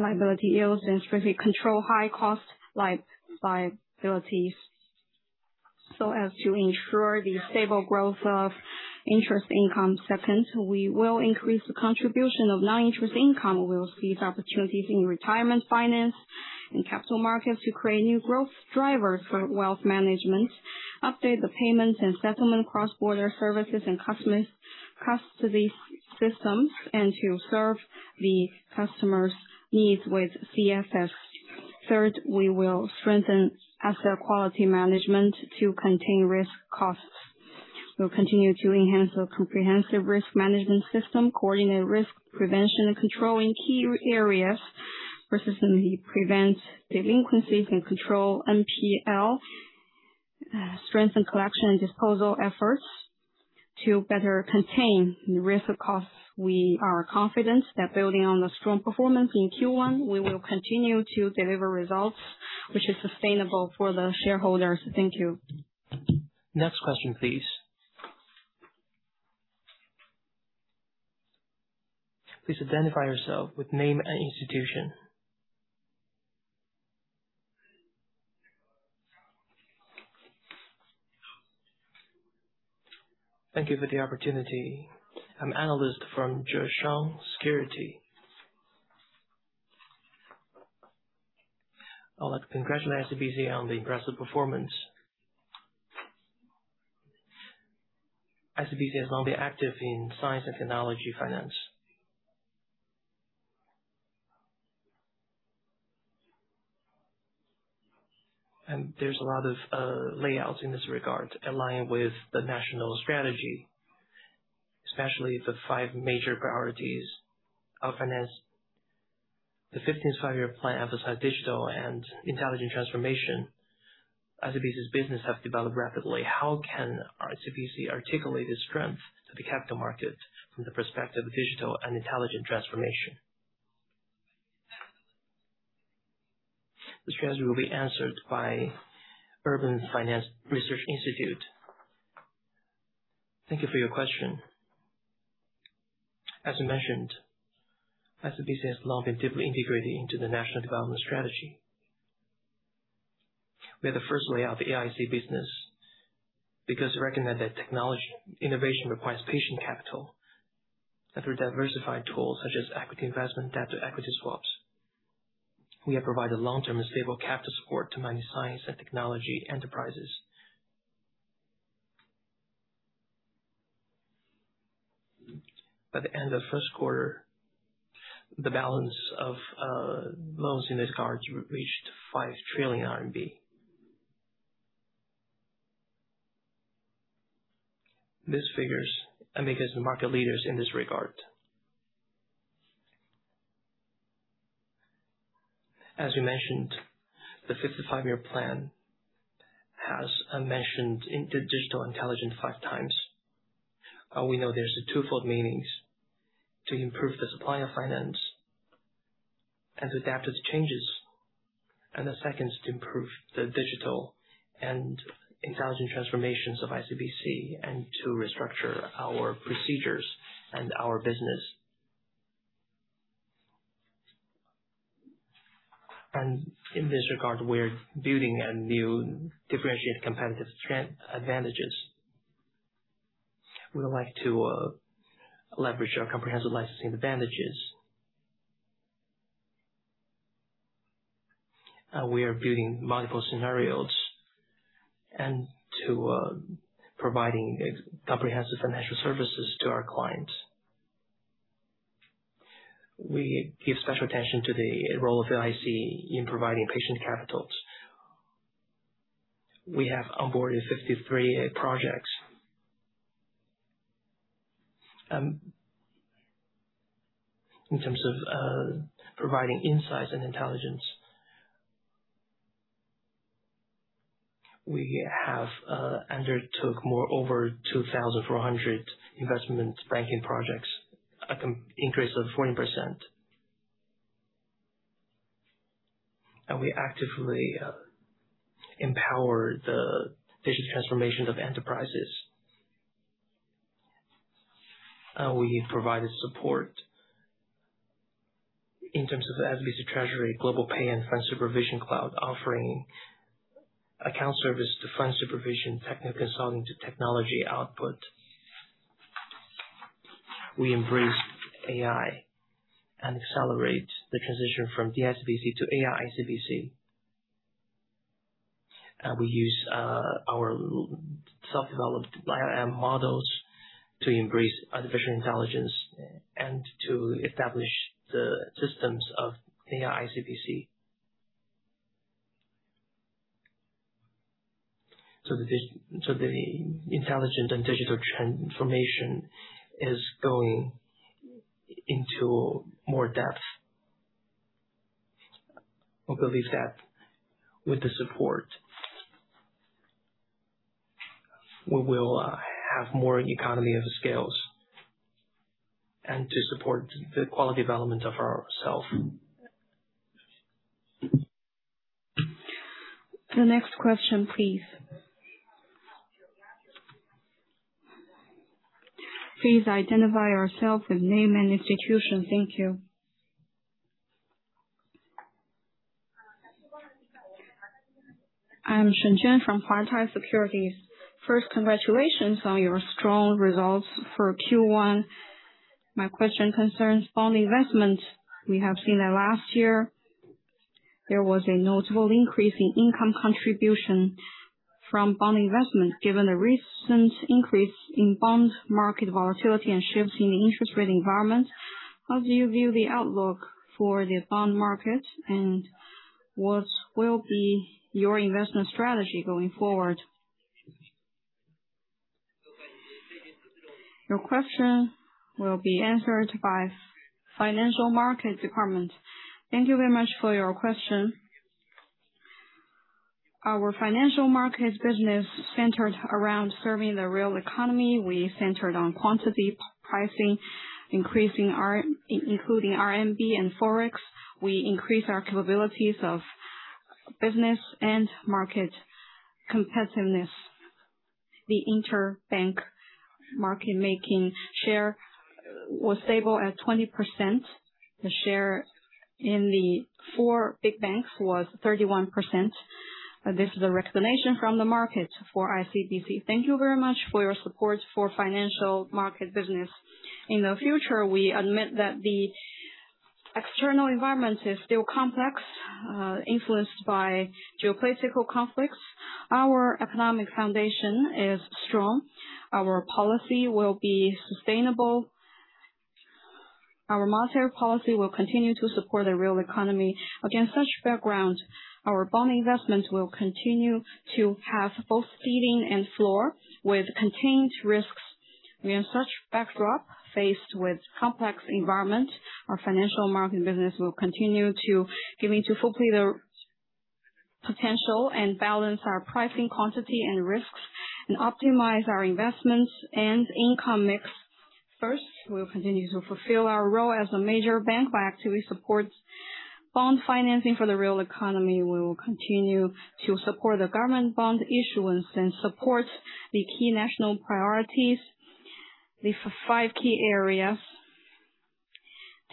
liability yields and strictly control high costs like liabilities, so as to ensure the stable growth of interest income. Second, we will increase the contribution of non-interest income. We will seize opportunities in retirement finance and capital markets to create new growth drivers for wealth management, update the payments and settlement cross-border services and customers, custody systems, and to serve the customers' needs with CFS. Third, we will strengthen asset quality management to contain risk costs. We'll continue to enhance our comprehensive risk management system, coordinate risk prevention and control in key areas, persistently prevent delinquencies, and control NPL, strengthen collection and disposal efforts to better contain the risk of costs. We are confident that building on the strong performance in Q1, we will continue to deliver results-Which is sustainable for the shareholders. Thank you. Next question, please. Please identify yourself with name and institution. Thank you for the opportunity. I'm analyst from Zheshang Securities. I would like to congratulate ICBC on the impressive performance. ICBC has been active in science and technology finance. There's a lot of layouts in this regard aligned with the national strategy, especially the Five Priorities of Finance. The 15th Five-Year Plan emphasized digital and intelligent transformation. ICBC's business have developed rapidly. How can ICBC articulate its strength to the capital market from the perspective of digital and intelligent transformation? This question will be answered by Urban Finance Research Institute. Thank you for your question. As you mentioned, ICBC has long been deeply integrated into the national development strategy. We are the first layout of the AIC business because we recommend that technology innovation requires patient capital. Through diversified tools such as equity investment, debt to equity swaps, we have provided long-term and stable capital support to many science and technology enterprises. By the end of first quarter, the balance of loans in this regard reached CNY 5 trillion. These figures make us market leaders in this regard. As we mentioned, the 15th Five-Year Plan has mentioned in the digital and intelligent five times. We know there's two fold meanings. To improve the supply of finance and to adapt its changes. The second is to improve the digital and intelligent transformations of ICBC and to restructure our procedures and our business. In this regard, we're building a new differentiated competitive strength advantages. We would like to leverage our comprehensive licensing advantages. We are building multiple scenarios and to providing comprehensive financial services to our clients. We give special attention to the role of the AIC in providing patient capitals. We have onboarded 53 projects. In terms of providing insights and intelligence, we have undertook more over 2,400 investment banking projects, an increase of 40%. We actively empower the digital transformations of enterprises. We provided support in terms of ICBC Treasury GlobalPay and Fund Supervision Cloud, offering account service to fund supervision, technical consulting to technology output. We embrace AI and accelerate the transition from D-ICBC to AI-ICBC. We use our self-developed LLM models to embrace artificial intelligence and to establish the systems of AI-ICBC. The intelligent and digital transformation is going into more depth. We believe that with the support, we will have more economy of scales and to support the quality development of ourself. The next question, please. Please identify yourself with name and institution. Thank you. I'm Shen Juan from Huatai Securities. Congratulations on your strong results for Q1. My question concerns bond investment. We have seen that last year there was a notable increase in income contribution from bond investment. Given the recent increase in bond market volatility and shifts in the interest rate environment, how do you view the outlook for the bond market, and what will be your investment strategy going forward? Your question will be answered by financial markets department. Thank you very much for your question. Our financial markets business centered around serving the real economy. We centered on quantity pricing, increasing including RMB and Forex. We increased our capabilities of business and market competitiveness. The interbank market making share was stable at 20%. The share in the four big banks was 31%. This is a recognition from the market for ICBC. Thank you very much for your support for financial market business. In the future, we admit that the external environment is still complex, influenced by geopolitical conflicts. Our economic foundation is strong. Our policy will be sustainable. Our monetary policy will continue to support the real economy. Against such background, our bond investment will continue to have both ceiling and floor with contained risks. We have such backdrop faced with complex environment. Our financial market business will continue to committing to fulfill their potential and balance our pricing quantity and risks and optimize our investments and income mix. First, we will continue to fulfill our role as a major bank by actively support bond financing for the real economy. We will continue to support the government bond issuance and support the key national priorities, the five key areas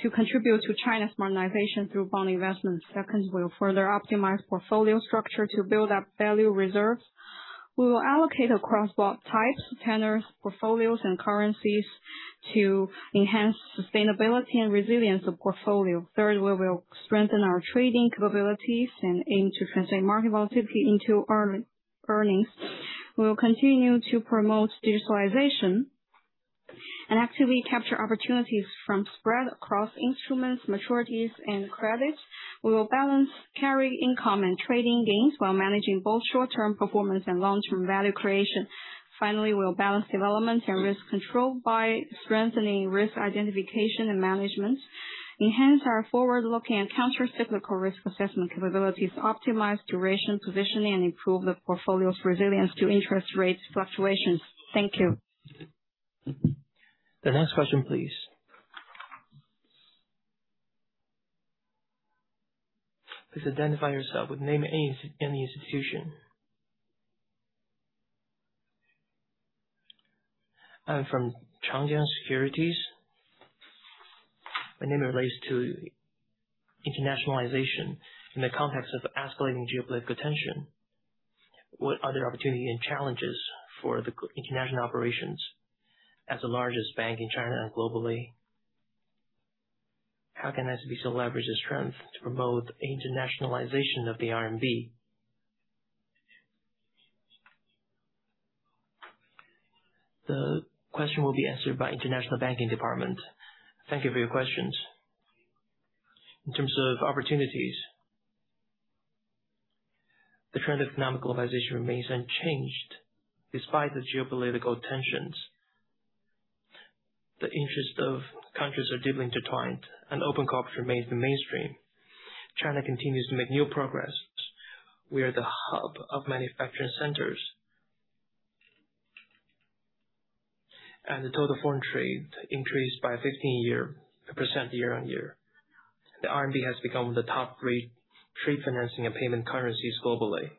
to contribute to China's modernization through bond investment. Second, we'll further optimize portfolio structure to build up value reserves. We will allocate across bond types, tenors, portfolios and currencies to enhance sustainability and resilience of portfolio. Third, we will strengthen our trading capabilities and aim to translate market volatility into earnings. We will continue to promote digitalization and actively capture opportunities from spread across instruments, maturities and credits. We will balance carry income and trading gains while managing both short-term performance and long-term value creation. Finally, we'll balance development and risk control by strengthening risk identification and management, enhance our forward-looking and countercyclical risk assessment capabilities, optimize duration positioning and improve the portfolio's resilience to interest rates fluctuations. Thank you. The next question, please. Please identify yourself with name and the institution. I'm from Changjiang Securities. My name relates to internationalization in the context of escalating geopolitical tension. What are the opportunities and challenges for the international operations as the largest bank in China and globally? How can ICBC leverage its strength to promote the internationalization of the RMB? The question will be answered by International Banking Department. Thank you for your questions. In terms of opportunities, the trend of economic globalization remains unchanged despite the geopolitical tensions. The interests of countries are deeply intertwined and open culture remains the mainstream. China continues to make new progress. We are the hub of manufacturing centers. The total foreign trade increased by 15% year-on-year. The RMB has become the top three trade financing and payment currencies globally.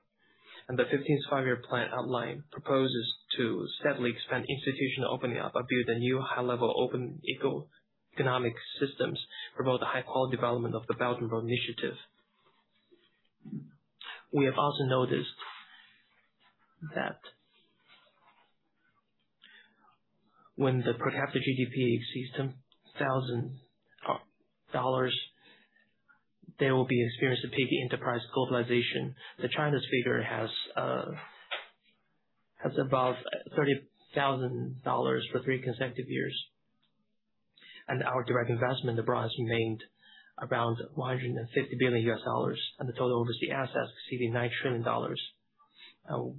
The 15th Five-Year Plan outline proposes to steadily expand institutional opening up and build a new high level open eco-economic systems, promote the high quality development of the Belt and Road Initiative. We have also noticed that when the per capita GDP exceeds $10,000, there will be experienced a peak enterprise globalization. The China's figure has above $30,000 for three consecutive years. Our direct investment abroad has remained around $150 billion, and the total overseas assets exceeding $9 trillion.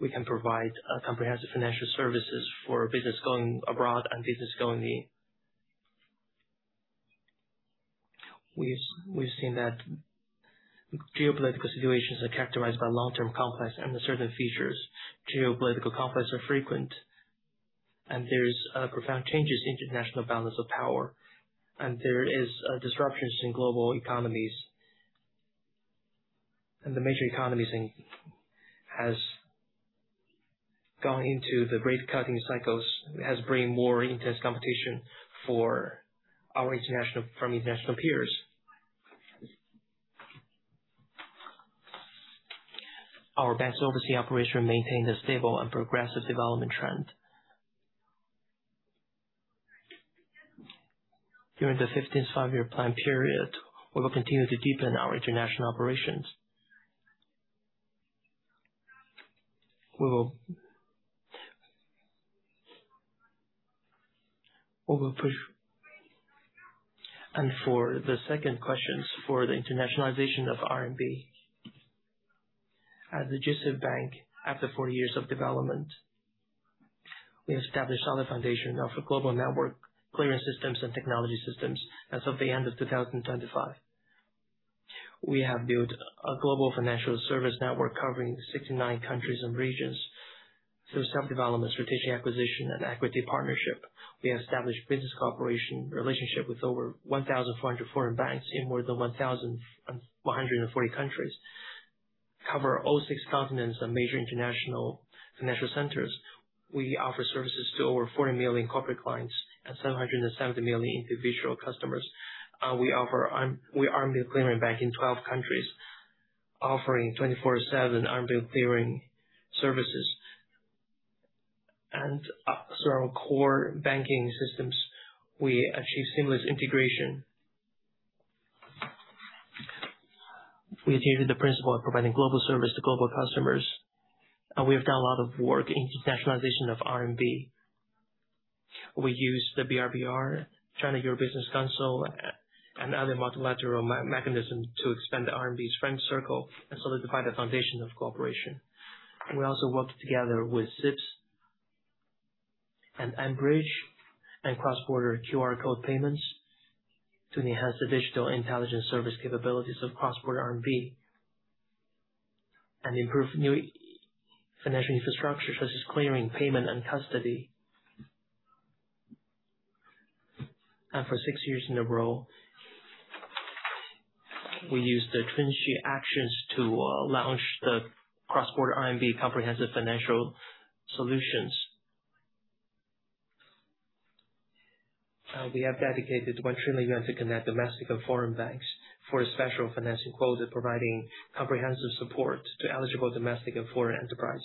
We can provide comprehensive financial services for business going abroad and business going in. We've seen that geopolitical situations are characterized by long-term complex and uncertain features. Geopolitical conflicts are frequent and there's profound changes in international balance of power, and there is disruptions in global economies. The major economies has gone into the rate-cutting cycles. It has bring more intense competition for our international peers. Our bank's overseas operation maintain a stable and progressive development trend. During the 15th Five-Year Plan period, we will continue to deepen our international operations. We will push. For the second questions, for the internationalization of RMB. As the ICBC bank, after 40 years of development, we established solid foundation of a global network clearance systems and technology systems as of the end of 2025. We have built a global financial service network covering 69 countries and regions. Through self-development, strategic acquisition and equity partnership, we established business cooperation relationship with over 1,400 foreign banks in more than 1,140 countries, cover all six continents and major international financial centers. We offer services to over 40 million corporate clients and 770 million individual customers. We offer RMB clearing bank in 12 countries, offering 24/7 RMB clearing services. Through our core banking systems, we achieve seamless integration. We adhere to the principle of providing global service to global customers, and we have done a lot of work in internationalization of RMB. We use the BRI, China-Europe Business Council, and other multilateral mechanisms to extend the RMB's friend circle and solidify the foundation of cooperation. We also worked together with CIPS and mBridge and cross-border QR code payments to enhance the digital intelligence service capabilities of cross-border RMB. Improve new financial infrastructure such as clearing, payment and custody. For six years in a row, we used the Trinity actions to launch the cross-border RMB comprehensive financial solutions. We have dedicated 1 trillion yuan to connect domestic and foreign banks for a special financing quota, providing comprehensive support to eligible domestic and foreign enterprise.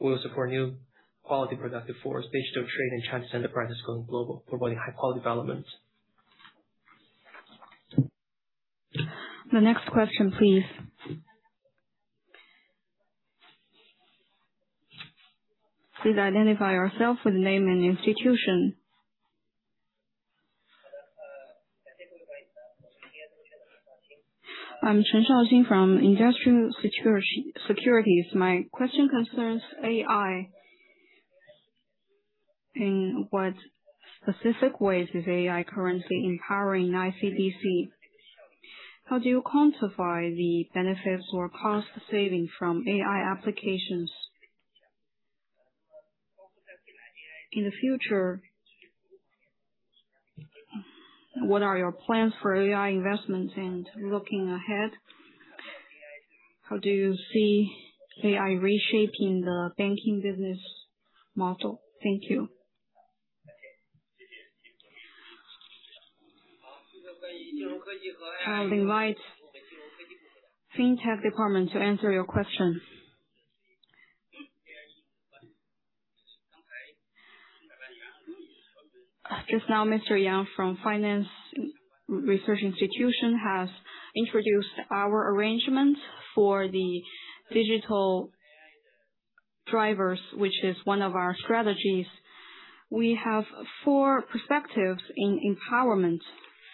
We will support new quality, productive force, digital trade and Chinese enterprises going global, promoting high quality development. The next question, please. Please identify yourself with name and institution. I'm Chen Shaoxing from Industrial Securities. My question concerns AI. In what specific ways is AI currently empowering ICBC? How do you quantify the benefits or cost saving from AI applications? In the future, what are your plans for AI investments? Looking ahead, how do you see AI reshaping the banking business model? Thank you. I'll invite fintech department to answer your question. Just now, Mr. Yang from Finance Research Institution has introduced our arrangements for the Digital Drivers, which is one of our strategies. We have four perspectives in empowerment.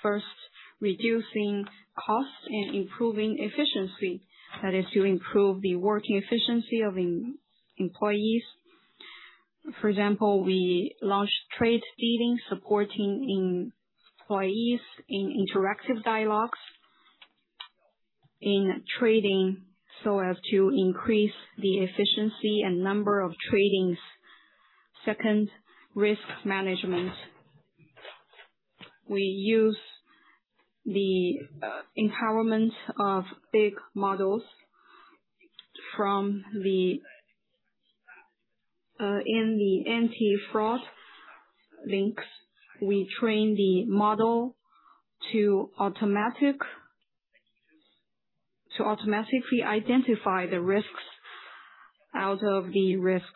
First, reducing cost and improving efficiency. That is to improve the working efficiency of employees. For example, we launched trade feeding, supporting employees in interactive dialogues in trading so as to increase the efficiency and number of tradings. Second, risk management. We use the empowerment of big models in the anti-fraud links, we train the model to automatically identify the risks out of the risks,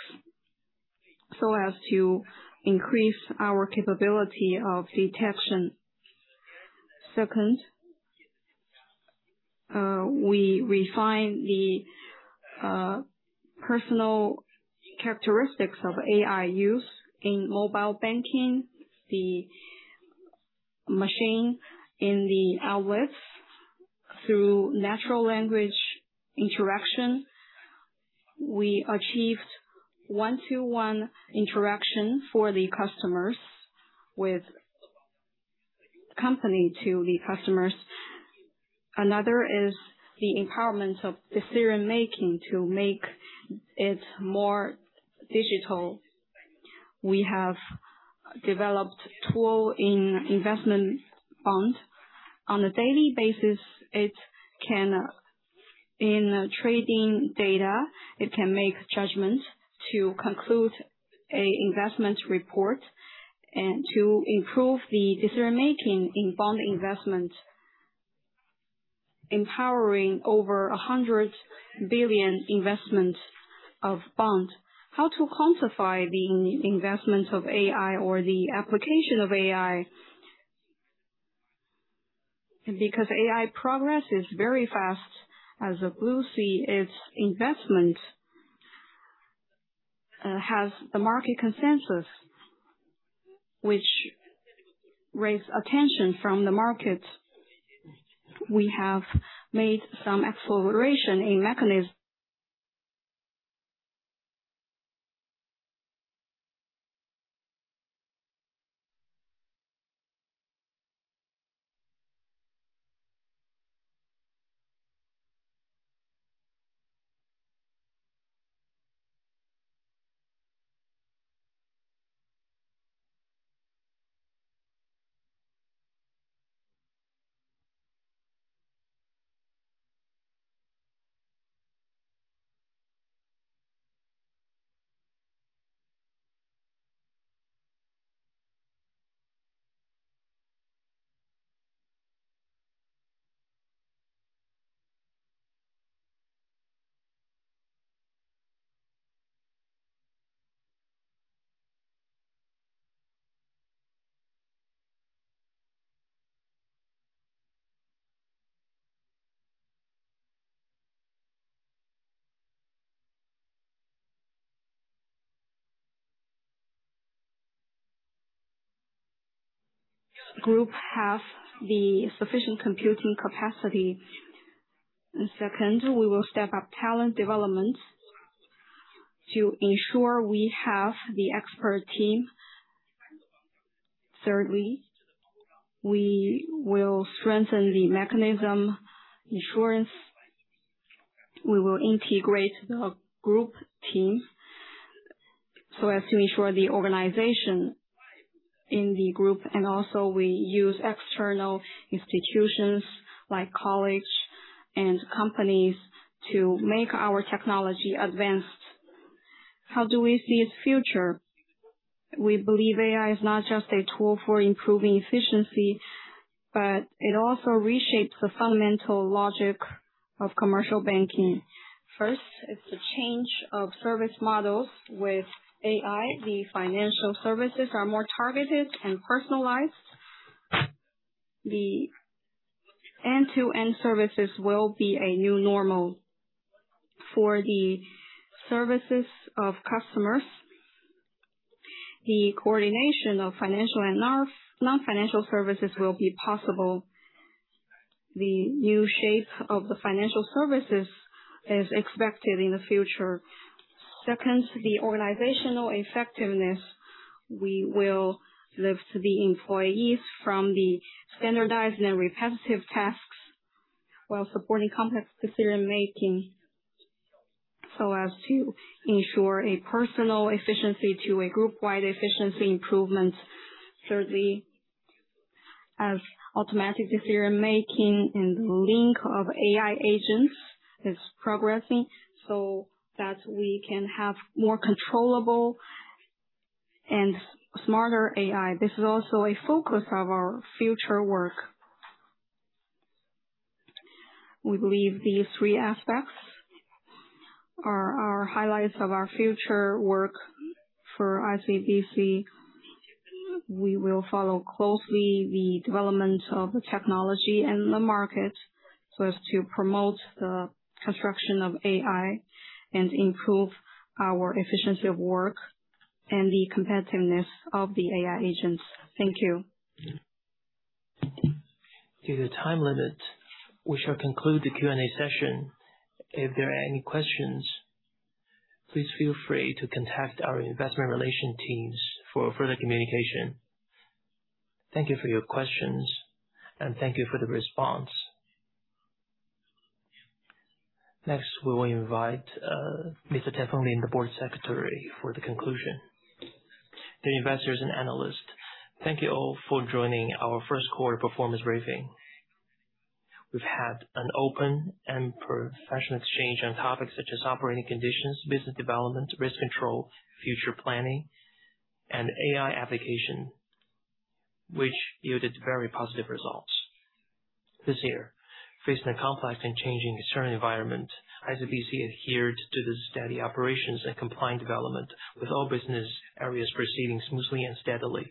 so as to increase our capability of detection. Second, we refine the personal characteristics of AI use in mobile banking, the machine in the outlets. Through natural language interaction, we achieved one-to-one interaction for the customers with company to the customers. Another is the empowerment of decision making to make it more digital. We have developed tool in investment fund. In trading data, it can make judgments to conclude a investment report and to improve the decision-making in bond investment, empowering over 100 billion investment of bond. How to quantify the investments of AI or the application of AI? AI progress is very fast, as a blue sea, its investment has the market consensus, which raise attention from the market. We have made some exploration in mechanism. Group have the sufficient computing capacity. Second, we will step up talent development to ensure we have the expert team. Thirdly, we will strengthen the mechanism assurance. We will integrate the group team so as to ensure the organization in the group, and also we use external institutions like college and companies to make our technology advanced. How do we see its future? We believe AI is not just a tool for improving efficiency, but it also reshapes the fundamental logic of commercial banking. First, it's the change of service models. With AI, the financial services are more targeted and personalized. The end-to-end services will be a new normal for the services of customers. The coordination of financial and non-financial services will be possible. The new shape of the financial services is expected in the future. Second, the organizational effectiveness. We will lift the employees from the standardized and repetitive tasks while supporting complex decision-making, so as to ensure a personal efficiency to a group-wide efficiency improvement. As automatic decision-making and link of AI agents is progressing so that we can have more controllable and smarter AI. This is also a focus of our future work. We believe these three aspects are our highlights of our future work for ICBC. We will follow closely the development of the technology and the market so as to promote the construction of AI and improve our efficiency of work and the competitiveness of the AI agents. Thank you. Due to time limit, we shall conclude the Q&A session. If there are any questions, please feel free to contact our investment relation teams for further communication. Thank you for your questions and thank you for the response. Next, we will invite Mr. Tian Fenglin, the Board Secretary, for the conclusion. Dear investors and analysts, thank you all for joining our first quarter performance briefing. We've had an open and professional exchange on topics such as operating conditions, business development, risk control, future planning, and AI application, which yielded very positive results. This year, facing a complex and changing external environment, ICBC adhered to the steady operations and compliant development, with all business areas proceeding smoothly and steadily.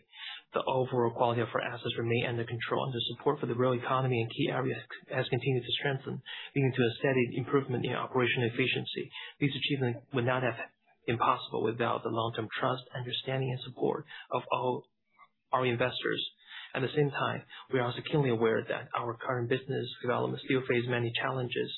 The overall quality of our assets remain under control, and the support for the real economy in key areas has continued to strengthen, leading to a steady improvement in operational efficiency. These achievements would not have been possible without the long-term trust, understanding, and support of all our investors. At the same time, we are also keenly aware that our current business developments still face many challenges.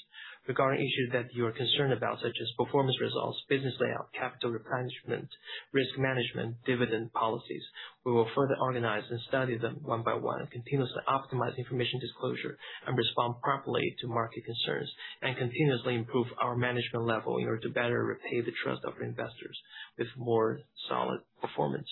Regarding issues that you are concerned about, such as performance results, business layout, capital replenishment, risk management, dividend policies, we will further organize and study them one by one, and continuously optimize information disclosure and respond properly to market concerns, and continuously improve our management level in order to better repay the trust of investors with more solid performance.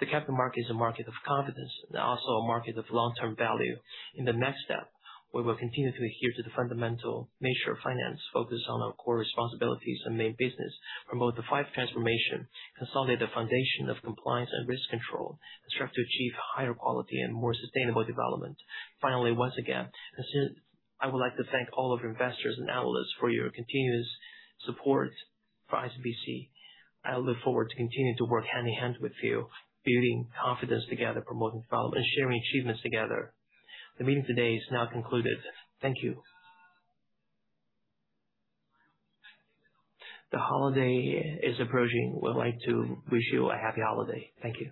The capital market is a market of confidence and also a market of long-term value. In the next step, we will continue to adhere to the fundamental measure of finance, focus on our core responsibilities and main business, promote the five transformations, consolidate the foundation of compliance and risk control, and strive to achieve higher quality and more sustainable development. Once again, I would like to thank all of our investors and analysts for your continuous support for ICBC. I look forward to continuing to work hand in hand with you, building confidence together, promoting development, and sharing achievements together. The meeting today is now concluded. Thank you. The holiday is approaching. We would like to wish you a happy holiday. Thank you.